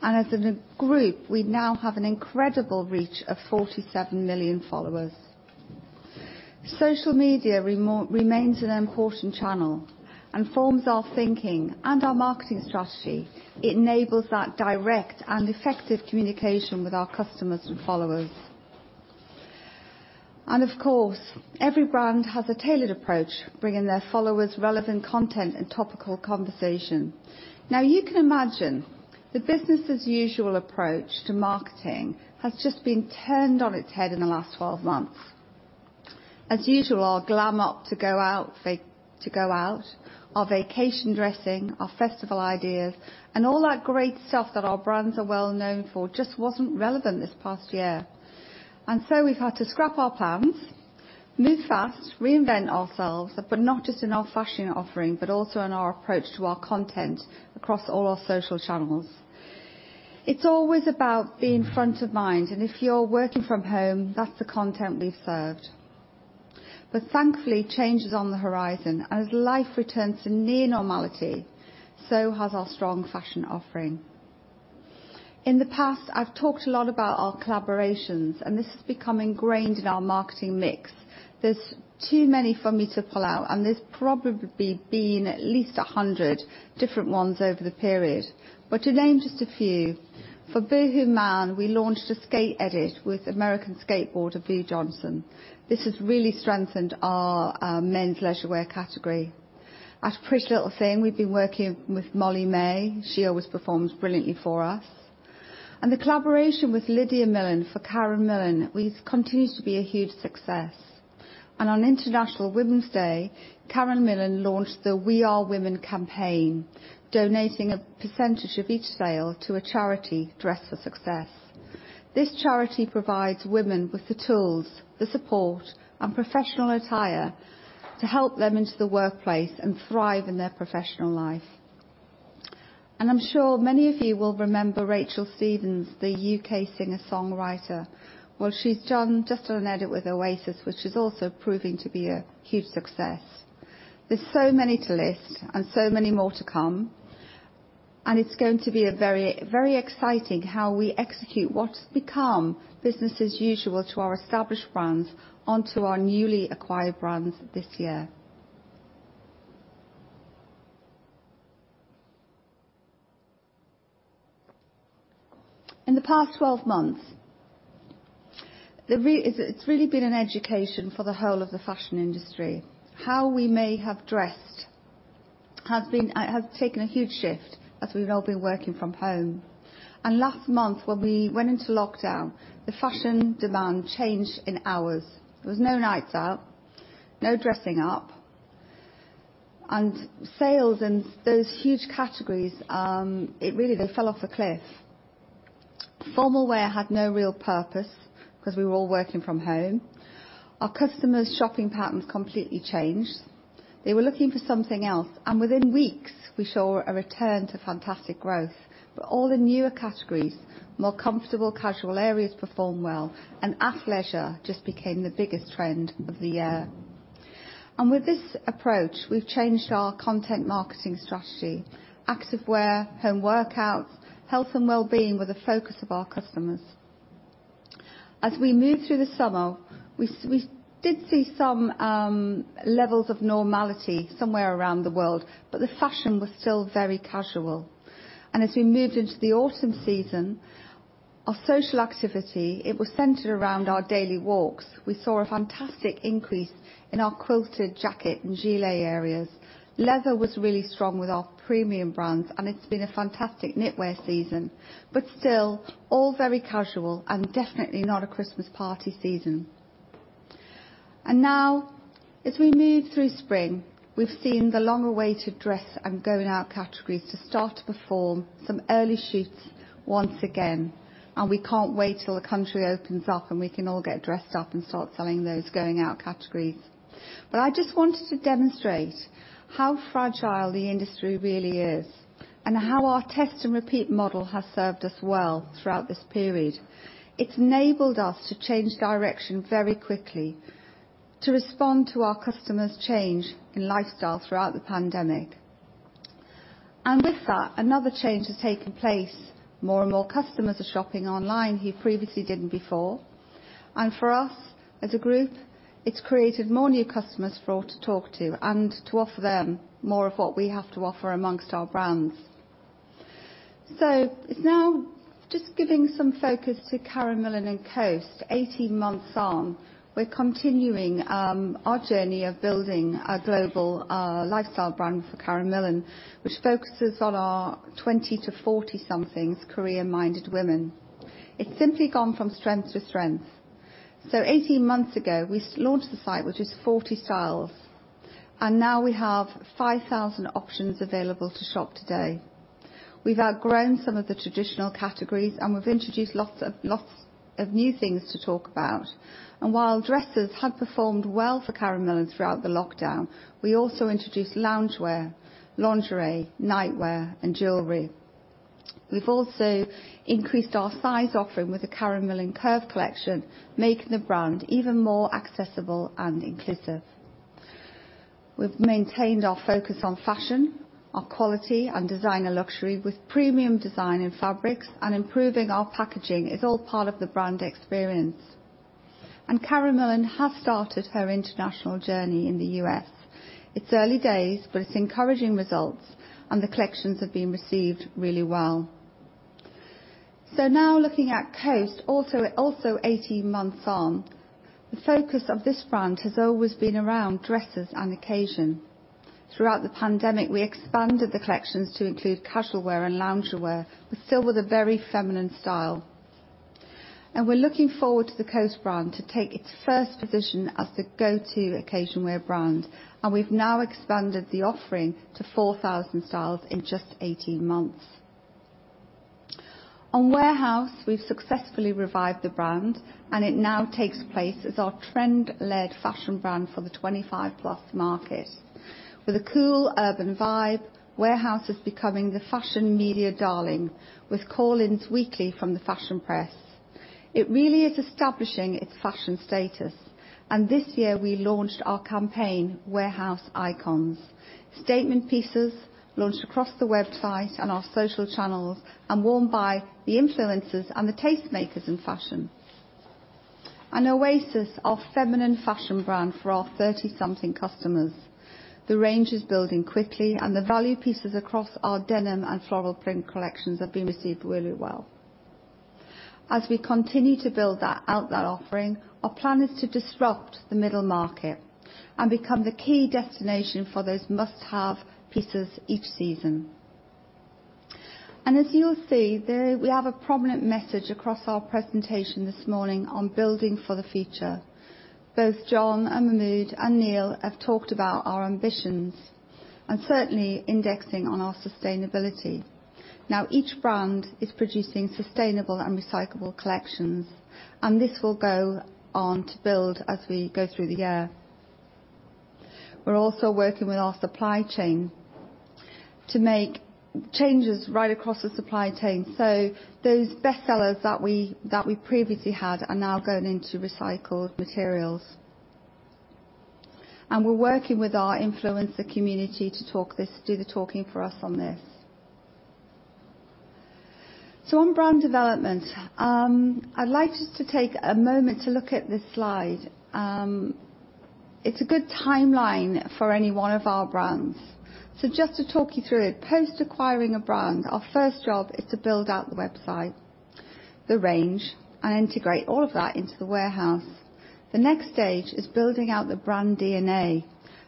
As a group, we now have an incredible reach of 47 million followers. Social media remains an important channel and forms our thinking and our marketing strategy. It enables that direct and effective communication with our customers and followers. Of course, every brand has a tailored approach, bringing their followers relevant content and topical conversation. Now, you can imagine the business-as-usual approach to marketing has just been turned on its head in the last 12 months. As usual, our glam up to go out, our vacation dressing, our festival ideas, and all that great stuff that our brands are well known for just wasn't relevant this past year. So we've had to scrap our plans, move fast, reinvent ourselves, but not just in our fashion offering, but also in our approach to our content across all our social channels. It's always about being front of mind. If you're working from home, that's the content we've served. But thankfully, change is on the horizon. As life returns to near normality, so has our strong fashion offering. In the past, I've talked a lot about our collaborations, and this has become ingrained in our marketing mix. There's too many for me to pull out, and there's probably been at least 100 different ones over the period. But to name just a few, for BoohooMAN, we launched a skate edit with American skateboarder Boo Johnson. This has really strengthened our men's leisure wear category. At PrettyLittleThing, we've been working with Molly-Mae. She always performs brilliantly for us. And the collaboration with Lydia Millen for Karen Millen continues to be a huge success. And on International Women's Day, Karen Millen launched the We Are Women campaign, donating a percentage of each sale to a charity, Dress for Success. This charity provides women with the tools, the support, and professional attire to help them into the workplace and thrive in their professional life. And I'm sure many of you will remember Rachel Stevens, the UK singer-songwriter. Well, she's done just an edit with Oasis, which is also proving to be a huge success. There's so many to list and so many more to come. And it's going to be very, very exciting how we execute what has become business-as-usual to our established brands onto our newly acquired brands this year. In the past 12 months, it's really been an education for the whole of the fashion industry. How we may have dressed has taken a huge shift as we've all been working from home. And last month, when we went into lockdown, the fashion demand changed in hours. There was no nights out, no dressing up. And sales in those huge categories, really, they fell off a cliff. Formal wear had no real purpose because we were all working from home. Our customers' shopping patterns completely changed. They were looking for something else. Within weeks, we saw a return to fantastic growth. All the newer categories, more comfortable casual areas performed well, and athleisure just became the biggest trend of the year. With this approach, we've changed our content marketing strategy: active wear, home workouts, health and well-being were the focus of our customers. As we moved through the summer, we did see some levels of normality somewhere around the world, but the fashion was still very casual. As we moved into the autumn season, our social activity, it was centered around our daily walks. We saw a fantastic increase in our quilted jacket and gilet areas. Leather was really strong with our premium brands, and it's been a fantastic knitwear season. Still, all very casual and definitely not a Christmas party season. And now, as we move through spring, we've seen the long-awaited dress and going out categories to start to perform some early shoots once again. We can't wait till the country opens up and we can all get dressed up and start selling those going out categories. But I just wanted to demonstrate how fragile the industry really is and how our test and repeat model has served us well throughout this period. It's enabled us to change direction very quickly to respond to our customers' change in lifestyle throughout the pandemic. With that, another change has taken place. More and more customers are shopping online who previously didn't before. For us as a group, it's created more new customers for all to talk to and to offer them more of what we have to offer amongst our brands. So it's now just giving some focus to Karen Millen and Coast, 18 months on. We're continuing our journey of building a global lifestyle brand for Karen Millen, which focuses on our 20- to 40-something career-minded women. It's simply gone from strength to strength. So 18 months ago, we launched the site, which is 40 styles. And now we have 5,000 options available to shop today. We've outgrown some of the traditional categories, and we've introduced lots of new things to talk about. And while dresses had performed well for Karen Millen throughout the lockdown, we also introduced loungewear, lingerie, nightwear, and jewelry. We've also increased our size offering with the Karen Millen Curve collection, making the brand even more accessible and inclusive. We've maintained our focus on fashion, our quality, and designer luxury with premium design and fabrics, and improving our packaging is all part of the brand experience. Karen Millen has started her international journey in the U.S. It's early days, but it's encouraging results, and the collections have been received really well. Now looking at Coast, also 18 months on, the focus of this brand has always been around dresses and occasion. Throughout the pandemic, we expanded the collections to include casual wear and loungewear, but still with a very feminine style. We're looking forward to the Coast brand to take its first position as the go-to occasion wear brand. We've now expanded the offering to 4,000 styles in just 18 months. On Warehouse, we've successfully revived the brand, and it now takes place as our trend-led fashion brand for the 25+ market. With a cool urban vibe, Warehouse is becoming the fashion media darling, with call-ins weekly from the fashion press. It really is establishing its fashion status. This year, we launched our campaign, Warehouse Icons. Statement pieces launched across the website and our social channels and worn by the influencers and the tastemakers in fashion. Oasis is a feminine fashion brand for our 30-something customers. The range is building quickly, and the value pieces across our denim and floral print collections have been received really well. As we continue to build out that offering, our plan is to disrupt the middle market and become the key destination for those must-have pieces each season. As you'll see, we have a prominent message across our presentation this morning on building for the future. Both John and Mahmud and Neil have talked about our ambitions and certainly indexing on our sustainability. Now, each brand is producing sustainable and recyclable collections, and this will go on to build as we go through the year. We're also working with our supply chain to make changes right across the supply chain. So those bestsellers that we previously had are now going into recycled materials. And we're working with our influencer community to do the talking for us on this. So on brand development, I'd like just to take a moment to look at this slide. It's a good timeline for any one of our brands. So just to talk you through it, post-acquiring a brand, our first job is to build out the website, the range, and integrate all of that into the warehouse. The next stage is building out the brand DNA,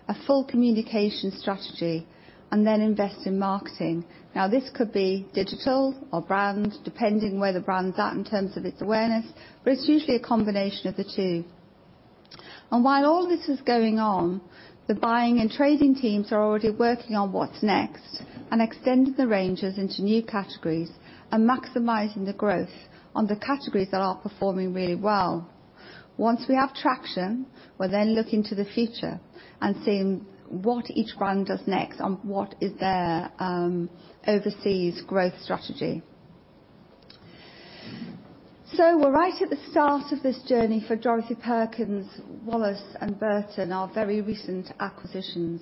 a full communication strategy, and then invest in marketing. Now, this could be digital or brand, depending where the brand's at in terms of its awareness, but it's usually a combination of the two. And while all this is going on, the buying and trading teams are already working on what's next and extending the ranges into new categories and maximizing the growth on the categories that are performing really well. Once we have traction, we're then looking to the future and seeing what each brand does next on what is their overseas growth strategy. So we're right at the start of this journey for Dorothy Perkins, Wallis, and Burton, our very recent acquisitions.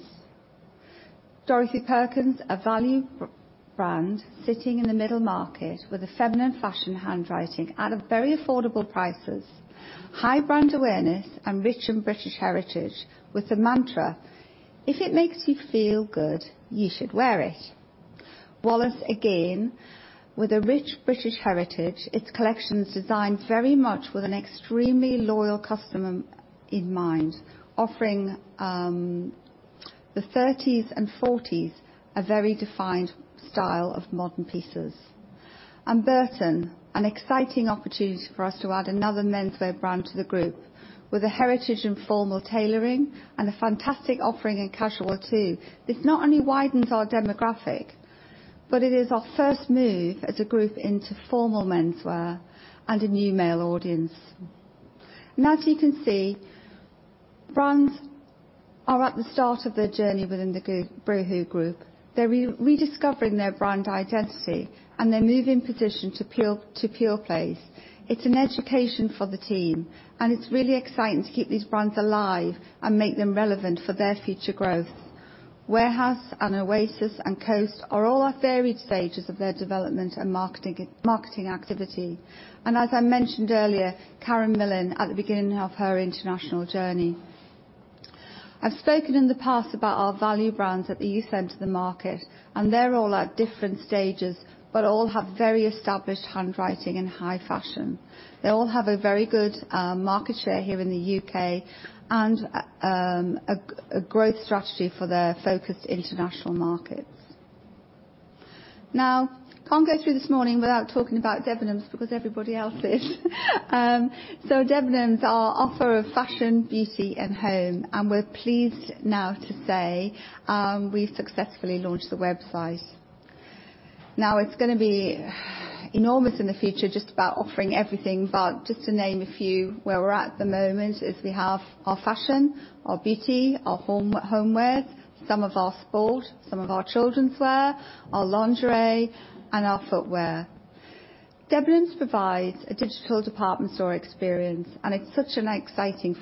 Dorothy Perkins, a value brand sitting in the middle market with a feminine fashion handwriting at very affordable prices, high brand awareness, and rich British heritage with the mantra, "If it makes you feel good, you should wear it." Wallis, again, with a rich British heritage, its collections designed very much with an extremely loyal customer in mind, offering the 30s and 40s a very defined style of modern pieces. Burton, an exciting opportunity for us to add another menswear brand to the group with a heritage and formal tailoring and a fantastic offering in casual too. This not only widens our demographic, but it is our first move as a group into formal menswear and a new male audience. As you can see, brands are at the start of their journey within the Boohoo Group. They're rediscovering their brand identity, and they're moving position to pure play. It's an education for the team, and it's really exciting to keep these brands alive and make them relevant for their future growth. Warehouse and Oasis and Coast are all at varied stages of their development and marketing activity. As I mentioned earlier, Karen Millen at the beginning of her international journey. I've spoken in the past about our value brands at the youth center of the market, and they're all at different stages, but all have very established handwriting and high fashion. They all have a very good market share here in the UK and a growth strategy for their focused international markets. Now, I can't go through this morning without talking about Debenhams because everybody else is. So Debenhams are our offer of fashion, beauty, and home. We're pleased now to say we've successfully launched the website. Now, it's going to be enormous in the future just about offering everything, but just to name a few where we're at at the moment is we have our fashion, our beauty, our homewear, some of our sport, some of our children's wear, our lingerie, and our footwear. Debenhams provides a digital department store experience, and it's such an exciting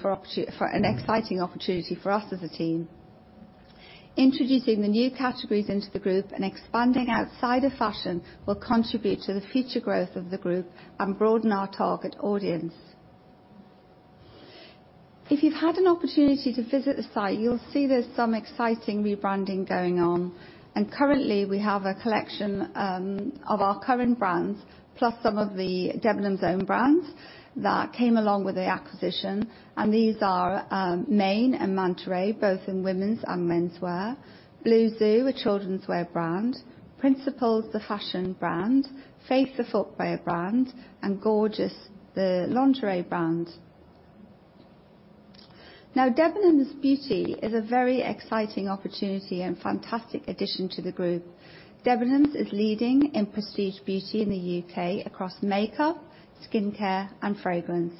opportunity for us as a team. Introducing the new categories into the group and expanding outside of fashion will contribute to the future growth of the group and broaden our target audience. If you've had an opportunity to visit the site, you'll see there's some exciting rebranding going on. Currently, we have a collection of our current brands, plus some of the Debenhams' own brands that came along with the acquisition. These are Maine and Mantaray, both in women's and menswear, Blue Zoo, a children's wear brand, Principles, the fashion brand, Faith, the footwear brand, and Gorgeous, the lingerie brand. Now, Debenhams' beauty is a very exciting opportunity and fantastic addition to the group. Debenhams is leading in prestige beauty in the UK across makeup, skincare, and fragrance.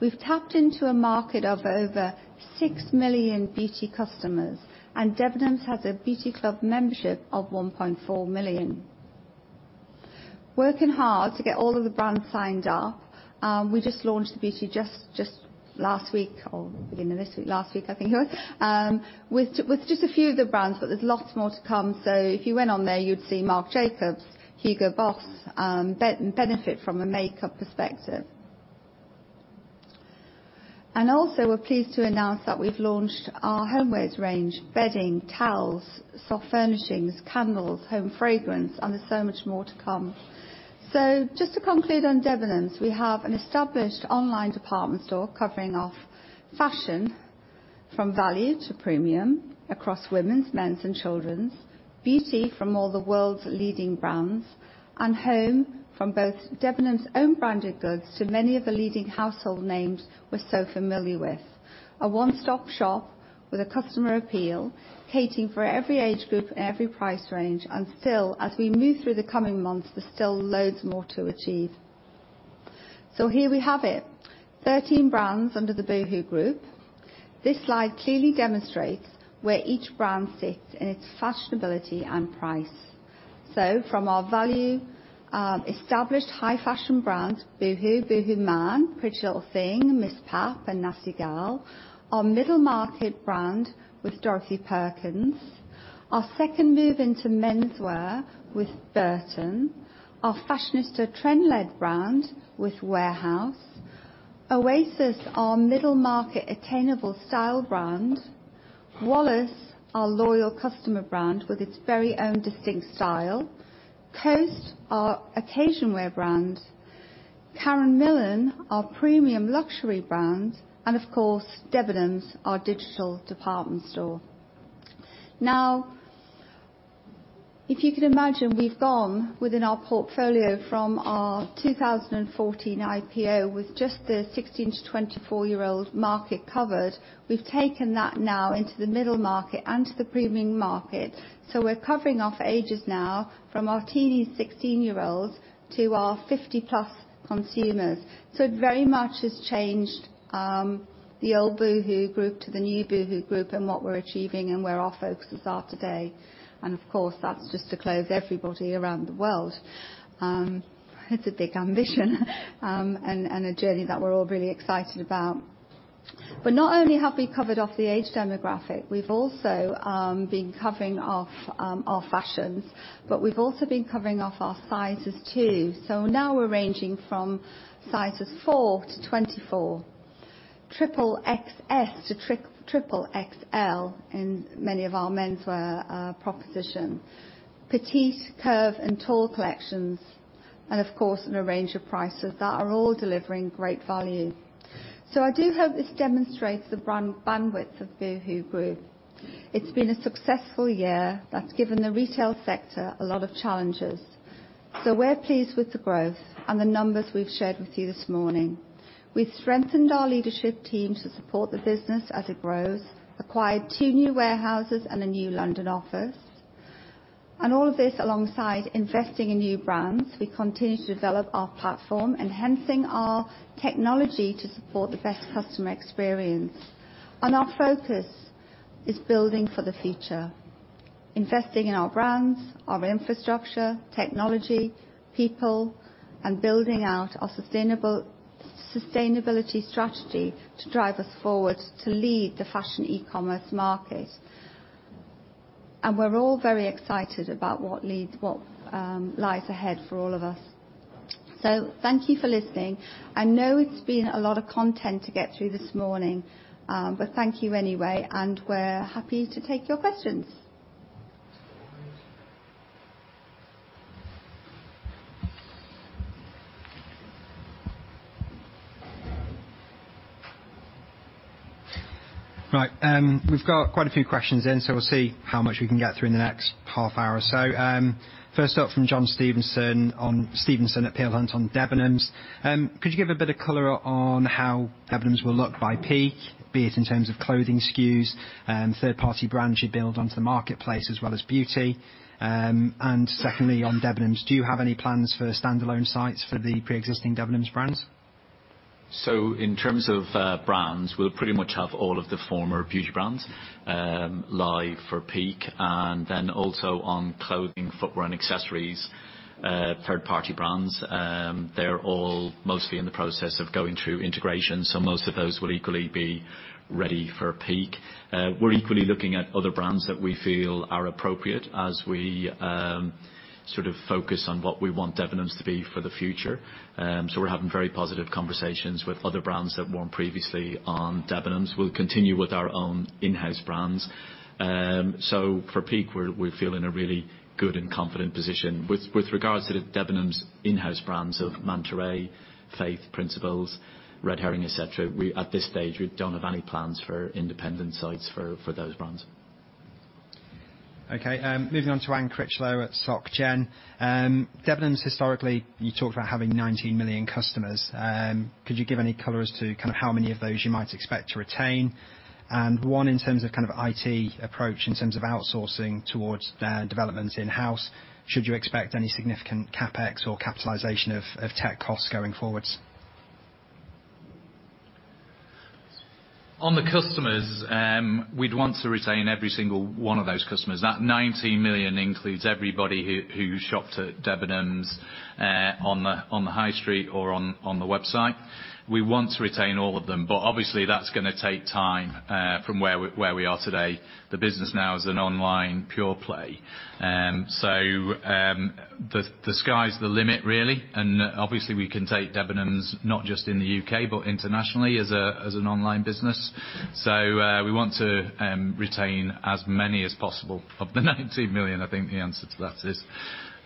We've tapped into a market of over six million beauty customers, and Debenhams has a Beauty Club membership of 1.4 million. Working hard to get all of the brands signed up. We just launched the beauty just last week or beginning of this week, last week, I think it was, with just a few of the brands, but there's lots more to come. So if you went on there, you'd see Marc Jacobs, Hugo Boss, Benefit from a makeup perspective. And also, we're pleased to announce that we've launched our homewares range: bedding, towels, soft furnishings, candles, home fragrance, and there's so much more to come. So just to conclude on Debenhams, we have an established online department store covering off fashion from value to premium across women's, men's, and children's, beauty from all the world's leading brands, and home from both Debenhams' own branded goods to many of the leading household names we're so familiar with. A one-stop shop with a customer appeal, catering for every age group and every price range. Still, as we move through the coming months, there's still loads more to achieve. So here we have it, 13 brands under the Boohoo Group. This slide clearly demonstrates where each brand sits in its fashionability and price. So from our value, established high fashion brands, Boohoo, BoohooMAN, PrettyLittleThing, MissPap, and Nasty Gal, our middle market brand with Dorothy Perkins, our second move into menswear with Burton, our fashionista trend-led brand with Warehouse, Oasis, our middle market attainable style brand, Wallis, our loyal customer brand with its very own distinct style, Coast, our occasion wear brand, Karen Millen, our premium luxury brand, and of course, Debenhams, our digital department store. Now, if you can imagine, we've gone within our portfolio from our 2014 IPO with just the 16 to 24-year-old market covered. We've taken that now into the middle market and to the premium market. So we're covering off ages now from our teeny 16-year-olds to our 50-plus consumers. So it very much has changed the old Boohoo Group to the new Boohoo Group and what we're achieving and where our focuses are today. Of course, that's just to close everybody around the world. It's a big ambition and a journey that we're all really excited about. Not only have we covered off the age demographic, we've also been covering off our fashions, but we've also been covering off our sizes too. Now we're ranging from sizes 4 to 24, XXS to XXXL in many of our menswear proposition, petite, curve, and tall collections, and of course, in a range of prices that are all delivering great value. I do hope this demonstrates the brand bandwidth of Boohoo Group. It's been a successful year that's given the retail sector a lot of challenges. We're pleased with the growth and the numbers we've shared with you this morning. We've strengthened our leadership team to support the business as it grows, acquired two new warehouses and a new London office. And all of this alongside investing in new brands, we continue to develop our platform, enhancing our technology to support the best customer experience. Our focus is building for the future, investing in our brands, our infrastructure, technology, people, and building out our sustainability strategy to drive us forward to lead the fashion e-commerce market. And we're all very excited about what lies ahead for all of us. So thank you for listening. I know it's been a lot of content to get through this morning, but thank you anyway, and we're happy to take your questions. Right. We've got quite a few questions in, so we'll see how much we can get through in the next half hour or so. First up from John Stevenson at Peel Hunt on Debenhams. Could you give a bit of color on how Debenhams will look by peak, be it in terms of clothing SKUs, third-party brands you build onto the marketplace as well as beauty? And secondly, on Debenhams, do you have any plans for standalone sites for the pre-existing Debenhams brands? So in terms of brands, we'll pretty much have all of the former beauty brands live for peak. And then also on clothing, footwear, and accessories, third-party brands, they're all mostly in the process of going through integration. So most of those will equally be ready for peak. We're equally looking at other brands that we feel are appropriate as we sort of focus on what we want Debenhams to be for the future. So we're having very positive conversations with other brands that weren't previously on Debenhams. We'll continue with our own in-house brands. So for peak, we're feeling a really good and confident position. With regards to the Debenhams in-house brands of Mantaray, Faith, Principles, Red Herring, etc., at this stage, we don't have any plans for independent sites for those brands. Okay. Moving on to Anne Critchlow at Société Générale. Debenhams, historically, you talked about having 19 million customers. Could you give any colors to kind of how many of those you might expect to retain? And one, in terms of kind of IT approach, in terms of outsourcing towards developments in-house, should you expect any significant CapEx or capitalization of tech costs going forward? On the customers, we'd want to retain every single one of those customers. That 19 million includes everybody who shopped at Debenhams on the high street or on the website. We want to retain all of them, but obviously, that's going to take time from where we are today. The business now is an online pure play. So the sky's the limit, really. And obviously, we can take Debenhams not just in the UK, but internationally as an online business. So we want to retain as many as possible of the 19 million, I think the answer to that is.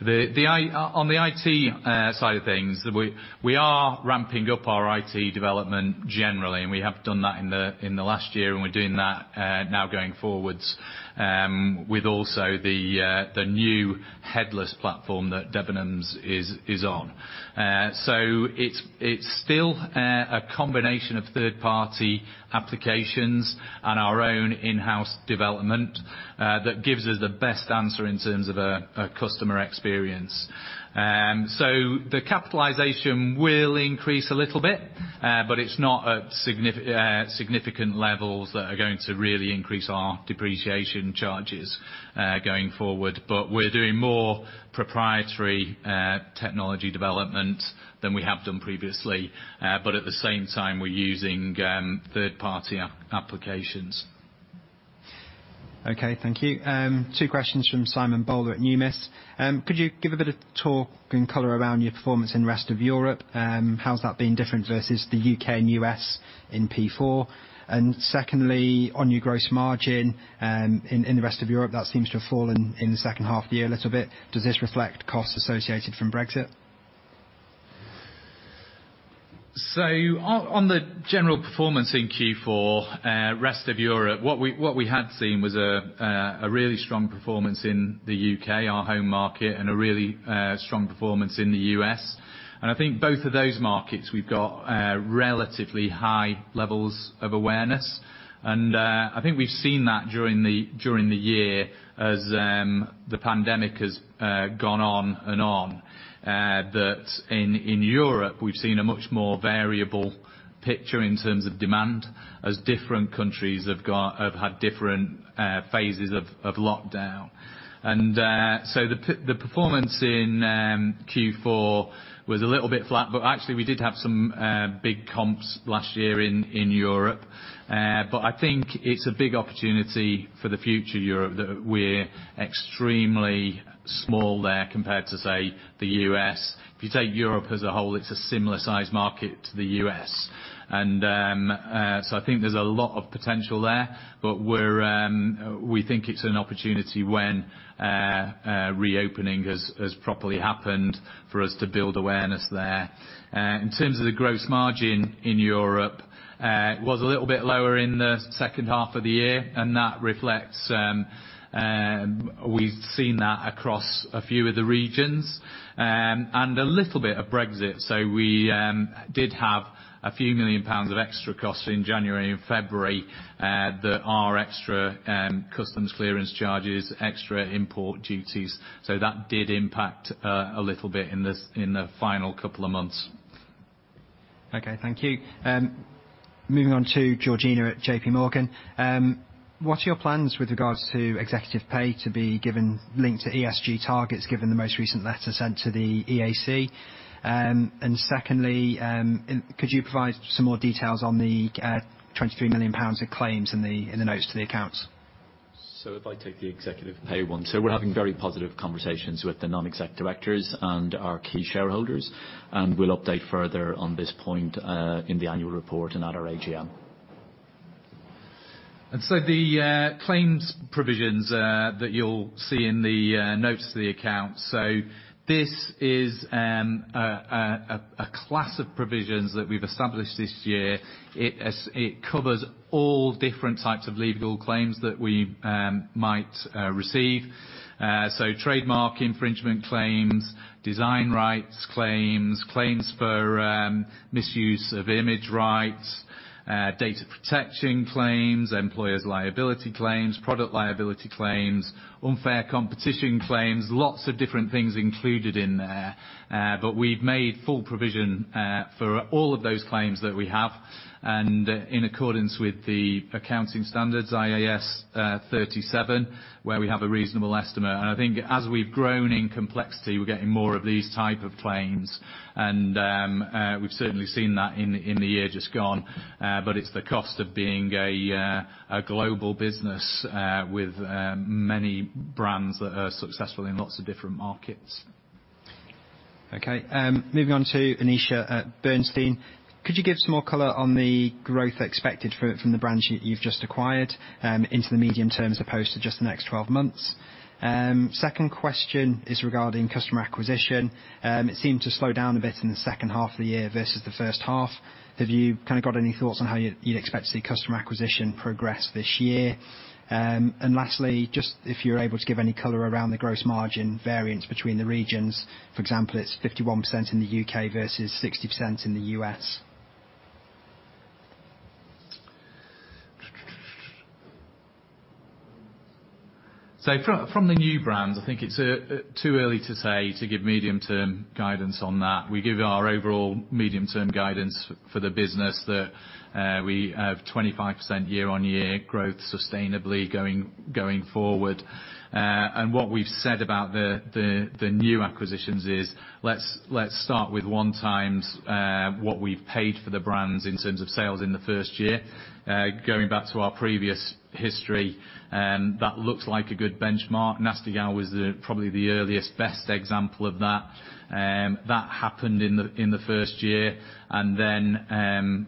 On the IT side of things, we are ramping up our IT development generally, and we have done that in the last year, and we're doing that now going forwards with also the new headless platform that Debenhams is on. So it's still a combination of third-party applications and our own in-house development that gives us the best answer in terms of a customer experience. So the capitalization will increase a little bit, but it's not at significant levels that are going to really increase our depreciation charges going forward. But we're doing more proprietary technology development than we have done previously. But at the same time, we're using third-party applications. Okay. Thank you. Two questions from Simon Bowler at Numis. Could you give a bit of talk and color around your performance in the rest of Europe? How's that been different versus the U.K. and U.S. in Q4? And secondly, on your gross margin in the rest of Europe, that seems to have fallen in the second half of the year a little bit. Does this reflect costs associated from Brexit? So on the general performance in Q4, rest of Europe, what we had seen was a really strong performance in the U.K., our home market, and a really strong performance in the U.S. I think both of those markets, we've got relatively high levels of awareness. I think we've seen that during the year as the pandemic has gone on and on, that in Europe, we've seen a much more variable picture in terms of demand as different countries have had different phases of lockdown. So the performance in Q4 was a little bit flat, but actually, we did have some big comps last year in Europe. But I think it's a big opportunity for the future Europe that we're extremely small there compared to, say, the U.S. If you take Europe as a whole, it's a similar-sized market to the U.S. So I think there's a lot of potential there, but we think it's an opportunity when reopening has properly happened for us to build awareness there. In terms of the gross margin in Europe, it was a little bit lower in the second half of the year, and that reflects we've seen that across a few of the regions and a little bit of Brexit. So we did have a few million GBP of extra costs in January and February that are extra customs clearance charges, extra import duties. So that did impact a little bit in the final couple of months. Okay. Thank you. Moving on to Georgina at J.P. Morgan. What are your plans with regards to executive pay to be linked to ESG targets given the most recent letter sent to the EAC? And secondly, could you provide some more details on the 23 million pounds of claims in the notes to the accounts? So if I take the executive pay one, so we're having very positive conversations with the non-exec directors and our key shareholders, and we'll update further on this point in the annual report and at our AGM. And so the claims provisions that you'll see in the notes to the accounts, so this is a class of provisions that we've established this year. It covers all different types of legal claims that we might receive. So trademark infringement claims, design rights claims, claims for misuse of image rights, data protection claims, employer's liability claims, product liability claims, unfair competition claims, lots of different things included in there. But we've made full provision for all of those claims that we have and in accordance with the accounting standards, IAS 37, where we have a reasonable estimate. I think as we've grown in complexity, we're getting more of these types of claims. We've certainly seen that in the year just gone, but it's the cost of being a global business with many brands that are successful in lots of different markets. Okay. Moving on to Anisha at Bernstein. Could you give some more color on the growth expected from the brands you've just acquired into the medium term as opposed to just the next 12 months? Second question is regarding customer acquisition. It seemed to slow down a bit in the second half of the year versus the first half. Have you kind of got any thoughts on how you'd expect to see customer acquisition progress this year? And lastly, just if you're able to give any color around the gross margin variance between the regions. For example, it's 51% in the UK versus 60% in the US. So from the new brands, I think it's too early to say to give medium-term guidance on that. We give our overall medium-term guidance for the business that we have 25% year-on-year growth sustainably going forward. What we've said about the new acquisitions is let's start with 1x what we've paid for the brands in terms of sales in the first year. Going back to our previous history, that looks like a good benchmark. Nasty Gal was probably the earliest best example of that. That happened in the first year. Then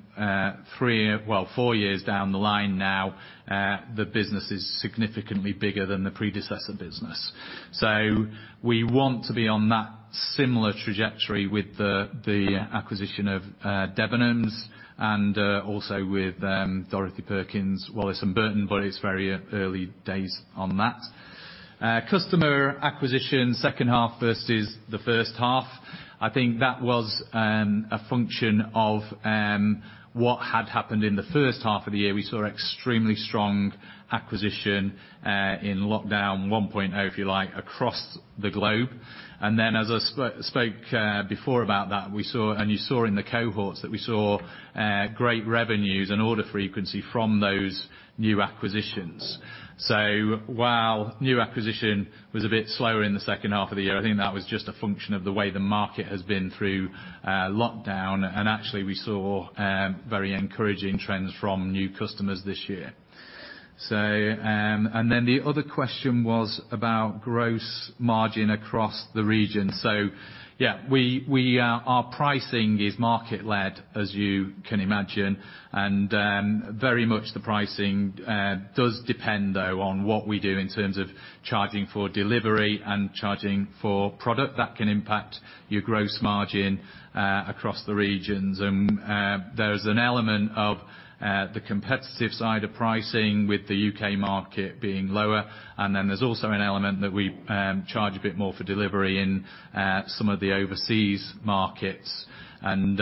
three, well, four years down the line now, the business is significantly bigger than the predecessor business. So we want to be on that similar trajectory with the acquisition of Debenhams and also with Dorothy Perkins, Wallis & Burton, but it's very early days on that. Customer acquisition, second half versus the first half. I think that was a function of what had happened in the first half of the year. We saw extremely strong acquisition in lockdown 1.0, if you like, across the globe. And then as I spoke before about that, and you saw in the cohorts that we saw great revenues and order frequency from those new acquisitions. So while new acquisition was a bit slower in the second half of the year, I think that was just a function of the way the market has been through lockdown. And actually, we saw very encouraging trends from new customers this year. And then the other question was about gross margin across the region. So yeah, our pricing is market-led, as you can imagine. And very much the pricing does depend, though, on what we do in terms of charging for delivery and charging for product that can impact your gross margin across the regions. And there's an element of the competitive side of pricing with the UK market being lower. And then there's also an element that we charge a bit more for delivery in some of the overseas markets. And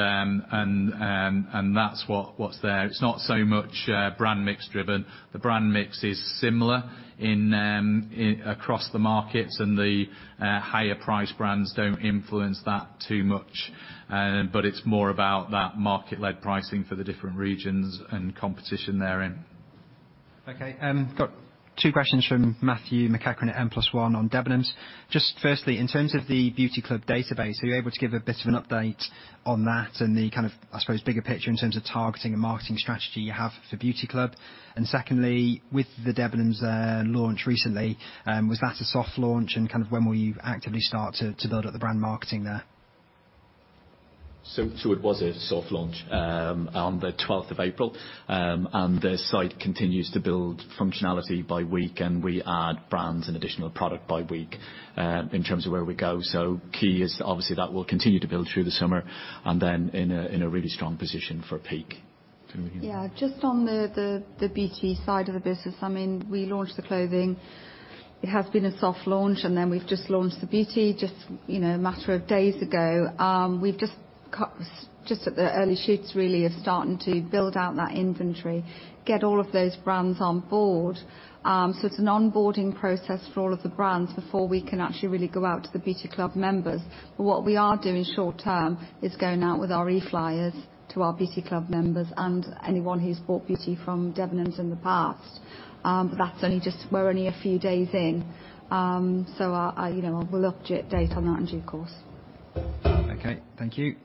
that's what's there. It's not so much brand mix driven. The brand mix is similar across the markets, and the higher-priced brands don't influence that too much. But it's more about that market-led pricing for the different regions and competition therein. Okay. Got two questions from Matthew McEachran at N+1 on Debenhams. Just firstly, in terms of the Beauty Club database, are you able to give a bit of an update on that and the kind of, I suppose, bigger picture in terms of targeting and marketing strategy you have for Beauty Club? And secondly, with the Debenhams launch recently, was that a soft launch? And kind of when will you actively start to build up the brand marketing there? So it was a soft launch on the 12th of April. And the site continues to build functionality by week, and we add brands and additional product by week in terms of where we go. So key is obviously that we'll continue to build through the summer and then in a really strong position for peak. Yeah. Just on the beauty side of the business, I mean, we launched the clothing. It has been a soft launch, and then we've just launched the beauty just a matter of days ago. We've just got just at the early shoots, really, of starting to build out that inventory, get all of those brands on board. So it's an onboarding process for all of the brands before we can actually really go out to the Beauty Club members. But what we are doing short-term is going out with our e-flyers to our Beauty Club members and anyone who's bought beauty from Debenhams in the past. But that's only just; we're only a few days in. So we'll update on that in due course. Okay. Thank you.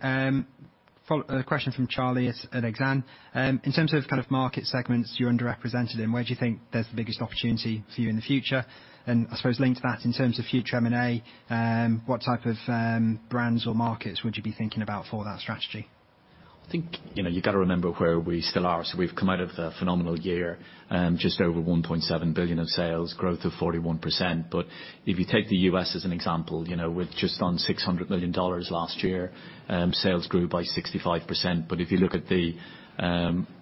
Question from Charlie at Exane. In terms of kind of market segments you're underrepresented in, where do you think there's the biggest opportunity for you in the future? And I suppose linked to that in terms of future M&A, what type of brands or markets would you be thinking about for that strategy? I think you've got to remember where we still are. So we've come out of a phenomenal year, just over 1.7 billion of sales, growth of 41%. But if you take the U.S. as an example, we're just on $600 million last year. Sales grew by 65%. But if you look at the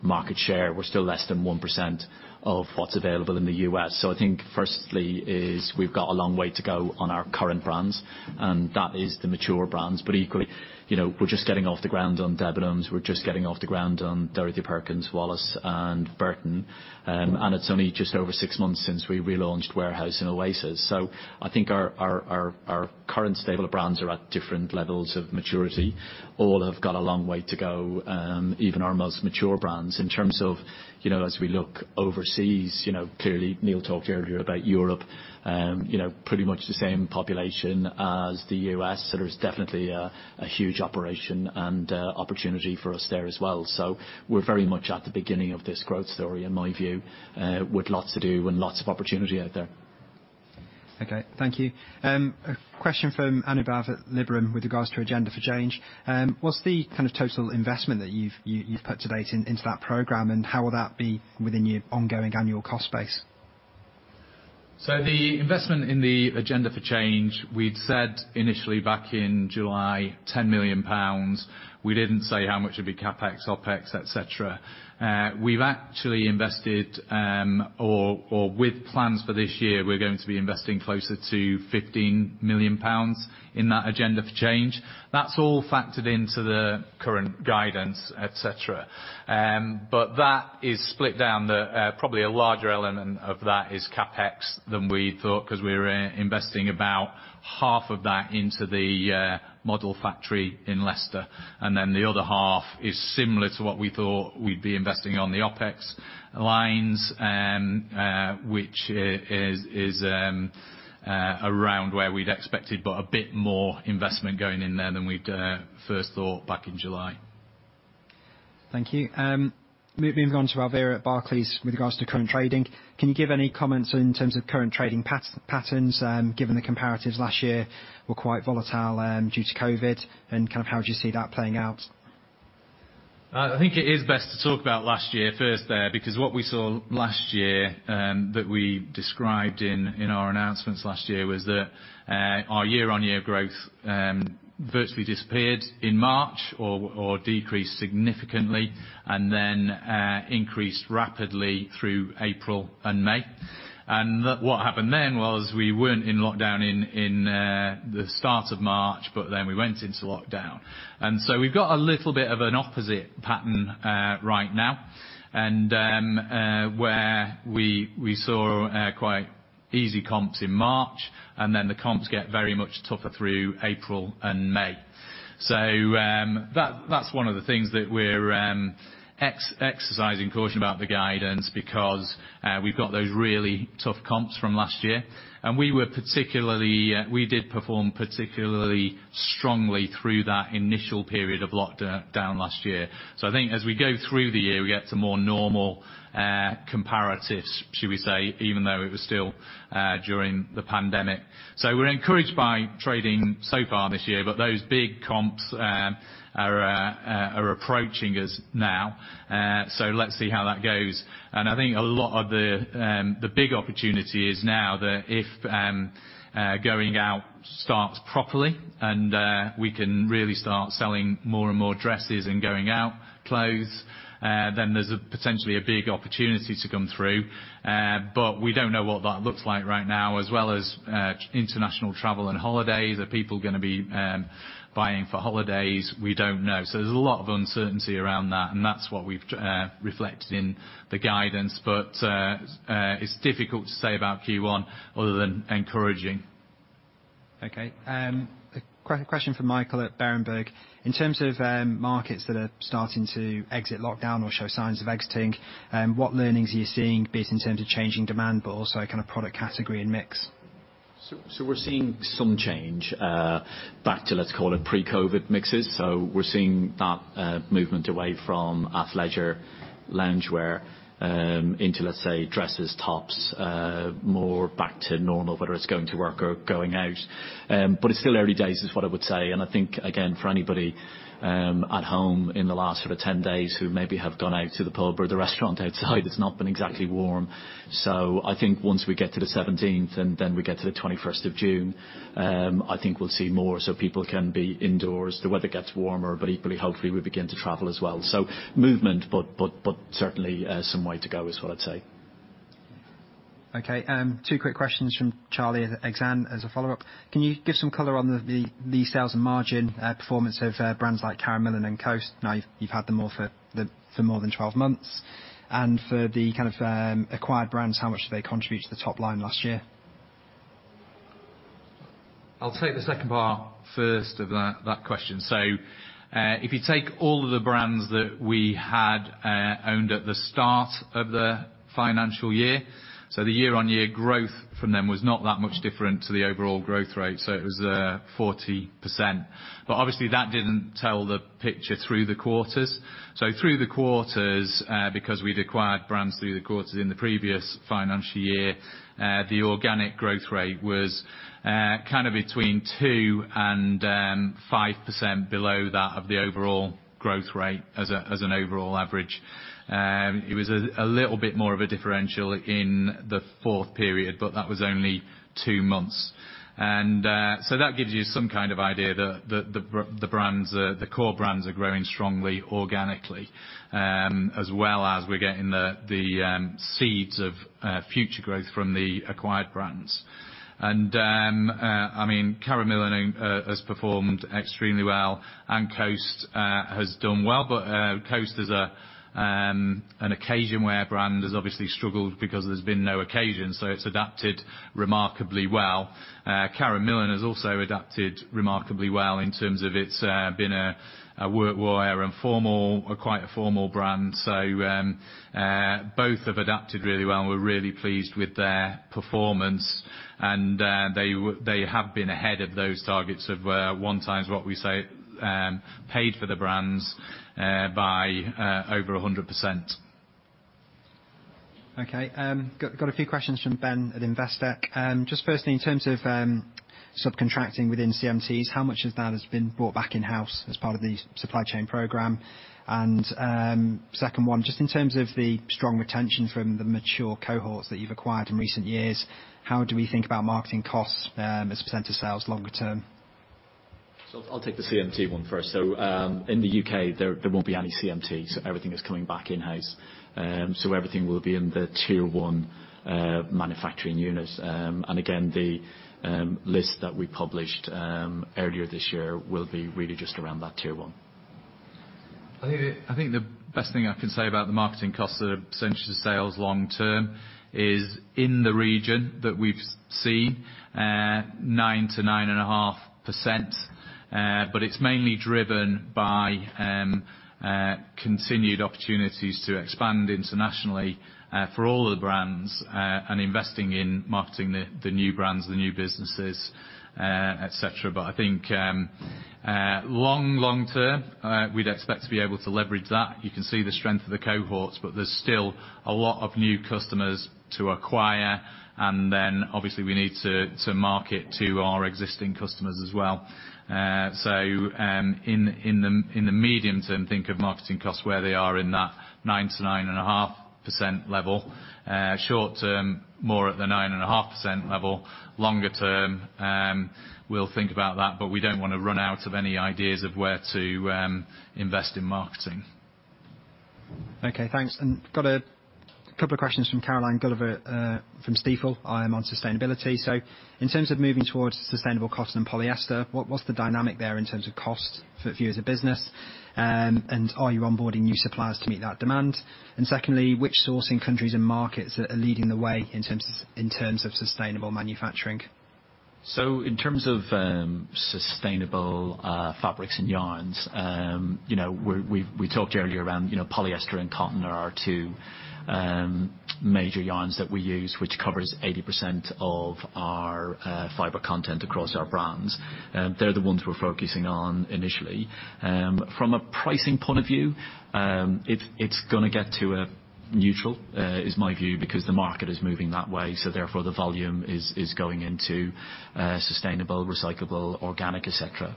market share, we're still less than 1% of what's available in the U.S. So I think firstly is we've got a long way to go on our current brands, and that is the mature brands. But equally, we're just getting off the ground on Debenhams. We're just getting off the ground on Dorothy Perkins, Wallis, and Burton. And it's only just over six months since we relaunched Warehouse and Oasis. So I think our current stable of brands are at different levels of maturity. All have got a long way to go, even our most mature brands. In terms of as we look overseas, clearly, Neil talked earlier about Europe, pretty much the same population as the US. So there's definitely a huge operation and opportunity for us there as well. So we're very much at the beginning of this growth story, in my view, with lots to do and lots of opportunity out there. Okay. Thank you. Question from Anubhav at Liberum with regards to Agenda for Change. What's the kind of total investment that you've put to date into that program, and how will that be within your ongoing annual cost base? So the investment in the Agenda for Change, we'd said initially back in July, 10 million pounds. We didn't say how much would be CapEx, OpEx, etc. We've actually invested, or with plans for this year, we're going to be investing closer to 15 million pounds in that Agenda for Change. That's all factored into the current guidance, etc. But that is split down. Probably a larger element of that is CapEx than we thought because we were investing about GBP 7.5 million of that into the Model Factory in Leicester. And then the other half is similar to what we thought we'd be investing on the OpEx lines, which is around where we'd expected, but a bit more investment going in there than we'd first thought back in July. Thank you. Moving on to Alvira Rao at Barclays with regards to current trading. Can you give any comments in terms of current trading patterns given the comparatives last year were quite volatile due to COVID? And kind of how do you see that playing out? I think it is best to talk about last year first there because what we saw last year that we described in our announcements last year was that our year-on-year growth virtually disappeared in March or decreased significantly and then increased rapidly through April and May. What happened then was we weren't in lockdown in the start of March, but then we went into lockdown. We've got a little bit of an opposite pattern right now where we saw quite easy comps in March, and then the comps get very much tougher through April and May. That's one of the things that we're exercising caution about the guidance because we've got those really tough comps from last year. We did perform particularly strongly through that initial period of lockdown last year. So I think as we go through the year, we get to more normal comparatives, shall we say, even though it was still during the pandemic. So we're encouraged by trading so far this year, but those big comps are approaching us now. So let's see how that goes. And I think a lot of the big opportunity is now that if going out starts properly and we can really start selling more and more dresses and going out clothes, then there's potentially a big opportunity to come through. But we don't know what that looks like right now, as well as international travel and holidays. Are people going to be buying for holidays? We don't know. So there's a lot of uncertainty around that, and that's what we've reflected in the guidance. But it's difficult to say about Q1 other than encouraging. Okay. Question from Michael at Berenberg. In terms of markets that are starting to exit lockdown or show signs of exiting, what learnings are you seeing both in terms of changing demand but also kind of product category and mix? So we're seeing some change back to, let's call it, pre-COVID mixes. So we're seeing that movement away from athleisure, loungewear into, let's say, dresses, tops, more back to normal, whether it's going to work or going out. But it's still early days is what I would say. And I think, again, for anybody at home in the last sort of 10 days who maybe have gone out to the pub or the restaurant outside, it's not been exactly warm. So I think once we get to the 17th and then we get to the 21st of June, I think we'll see more so people can be indoors. The weather gets warmer, but equally, hopefully, we begin to travel as well. So movement, but certainly some way to go is what I'd say. Okay. Two quick questions from Charlie at Exane as a follow-up. Can you give some color on the sales and margin performance of brands like Karen Millen and Coast? Now, you've had them all for more than 12 months. And for the kind of acquired brands, how much did they contribute to the top line last year? I'll take the second part first of that question. So if you take all of the brands that we had owned at the start of the financial year, so the year-on-year growth from them was not that much different to the overall growth rate. So it was 40%. But obviously, that didn't tell the picture through the quarters. So through the quarters, because we'd acquired brands through the quarters in the previous financial year, the organic growth rate was kind of between 2%-5% below that of the overall growth rate as an overall average. It was a little bit more of a differential in the fourth period, but that was only two months. And so that gives you some kind of idea that the core brands are growing strongly organically, as well as we're getting the seeds of future growth from the acquired brands. And I mean, Karen Millen has performed extremely well. And Coast has done well. But Coast is an occasionwear brand that's obviously struggled because there's been no occasion. So it's adapted remarkably well. Karen Millen has also adapted remarkably well in terms of it's been a workwear and quite a formal brand. So both have adapted really well. We're really pleased with their performance. They have been ahead of those targets of 1x what we paid for the brands by over 100%. Okay. Got a few questions from Ben at Investec. Just firstly, in terms of subcontracting within CMTs, how much of that has been brought back in-house as part of the supply chain program? And second one, just in terms of the strong retention from the mature cohorts that you've acquired in recent years, how do we think about marketing costs as % of sales longer term? I'll take the CMT one first. In the UK, there won't be any CMTs. Everything is coming back in-house. Everything will be in the tier-one manufacturing units. And again, the list that we published earlier this year will be really just around that tier-one. I think the best thing I can say about the marketing costs of percentage of sales long-term is in the region that we've seen, 9%-9.5%. But it's mainly driven by continued opportunities to expand internationally for all of the brands and investing in marketing the new brands, the new businesses, etc. But I think long, long-term, we'd expect to be able to leverage that. You can see the strength of the cohorts, but there's still a lot of new customers to acquire. And then obviously, we need to market to our existing customers as well. So in the medium term, think of marketing costs where they are in that 9%-9.5% level. Short-term, more at the 9.5% level. Longer-term, we'll think about that. But we don't want to run out of any ideas of where to invest in marketing. Okay. Thanks. And got a couple of questions from Caroline Gulliver from Stifel. I am on sustainability. So in terms of moving towards sustainable cotton and polyester, what's the dynamic there in terms of cost for you as a business? And are you onboarding new suppliers to meet that demand? And secondly, which sourcing countries and markets are leading the way in terms of sustainable manufacturing? So in terms of sustainable fabrics and yarns, we talked earlier around polyester and cotton are our two major yarns that we use, which covers 80% of our fiber content across our brands. They're the ones we're focusing on initially. From a pricing point of view, it's going to get to a neutral, is my view, because the market is moving that way. So therefore, the volume is going into sustainable, recyclable, organic, etc.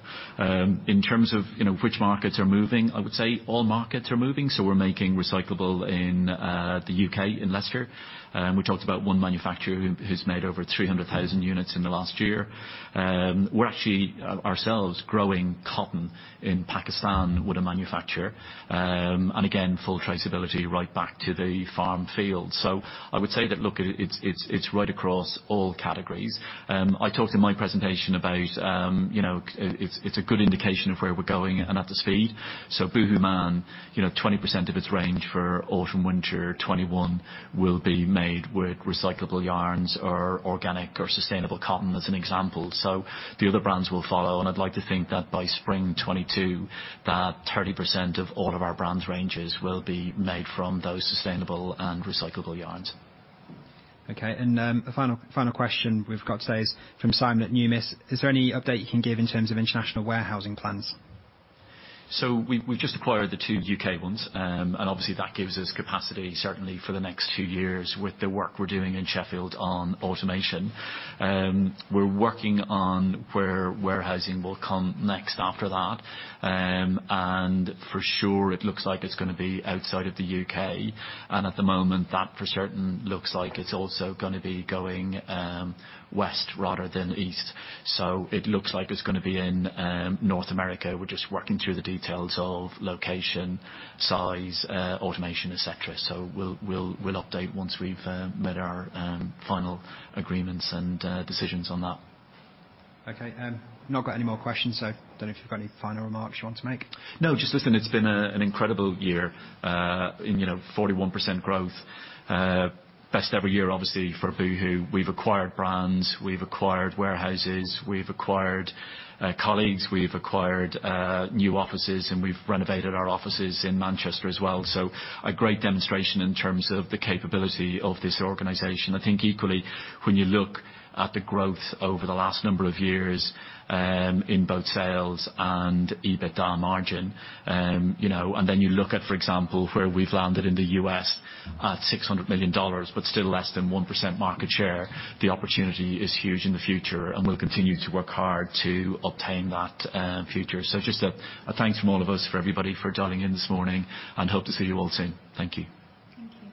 In terms of which markets are moving, I would say all markets are moving. So we're making recyclable in the UK, in Leicester. We talked about one manufacturer who's made over 300,000 units in the last year. We're actually ourselves growing cotton in Pakistan with a manufacturer. And again, full traceability right back to the farm field. So I would say that, look, it's right across all categories. I talked in my presentation about it's a good indication of where we're going and at the speed. So BoohooMAN, 20% of its range for autumn/winter 2021 will be made with recyclable yarns or organic or sustainable cotton as an example. So the other brands will follow. I'd like to think that by spring 2022, that 30% of all of our brand ranges will be made from those sustainable and recyclable yarns. Okay. And the final question we've got today is from Simon at Numis. Is there any update you can give in terms of international warehousing plans? So we've just acquired the two UK ones. And obviously, that gives us capacity, certainly, for the next two years with the work we're doing in Sheffield on automation. We're working on where warehousing will come next after that. And for sure, it looks like it's going to be outside of the UK. And at the moment, that for certain looks like it's also going to be going west rather than east. So it looks like it's going to be in North America. We're just working through the details of location, size, automation, etc. So we'll update once we've made our final agreements and decisions on that. Okay. Not got any more questions. So I don't know if you've got any final remarks you want to make. No, just listen, it's been an incredible year, 41% growth, best ever year, obviously, for Boohoo. We've acquired brands. We've acquired warehouses. We've acquired colleagues. We've acquired new offices. And we've renovated our offices in Manchester as well. So a great demonstration in terms of the capability of this organization. I think equally, when you look at the growth over the last number of years in both sales and EBITDA margin, and then you look at, for example, where we've landed in the U.S. at $600 million, but still less than 1% market share, the opportunity is huge in the future. And we'll continue to work hard to obtain that future. Just a thanks from all of us for everybody for dialing in this morning. Hope to see you all soon. Thank you. Thank you.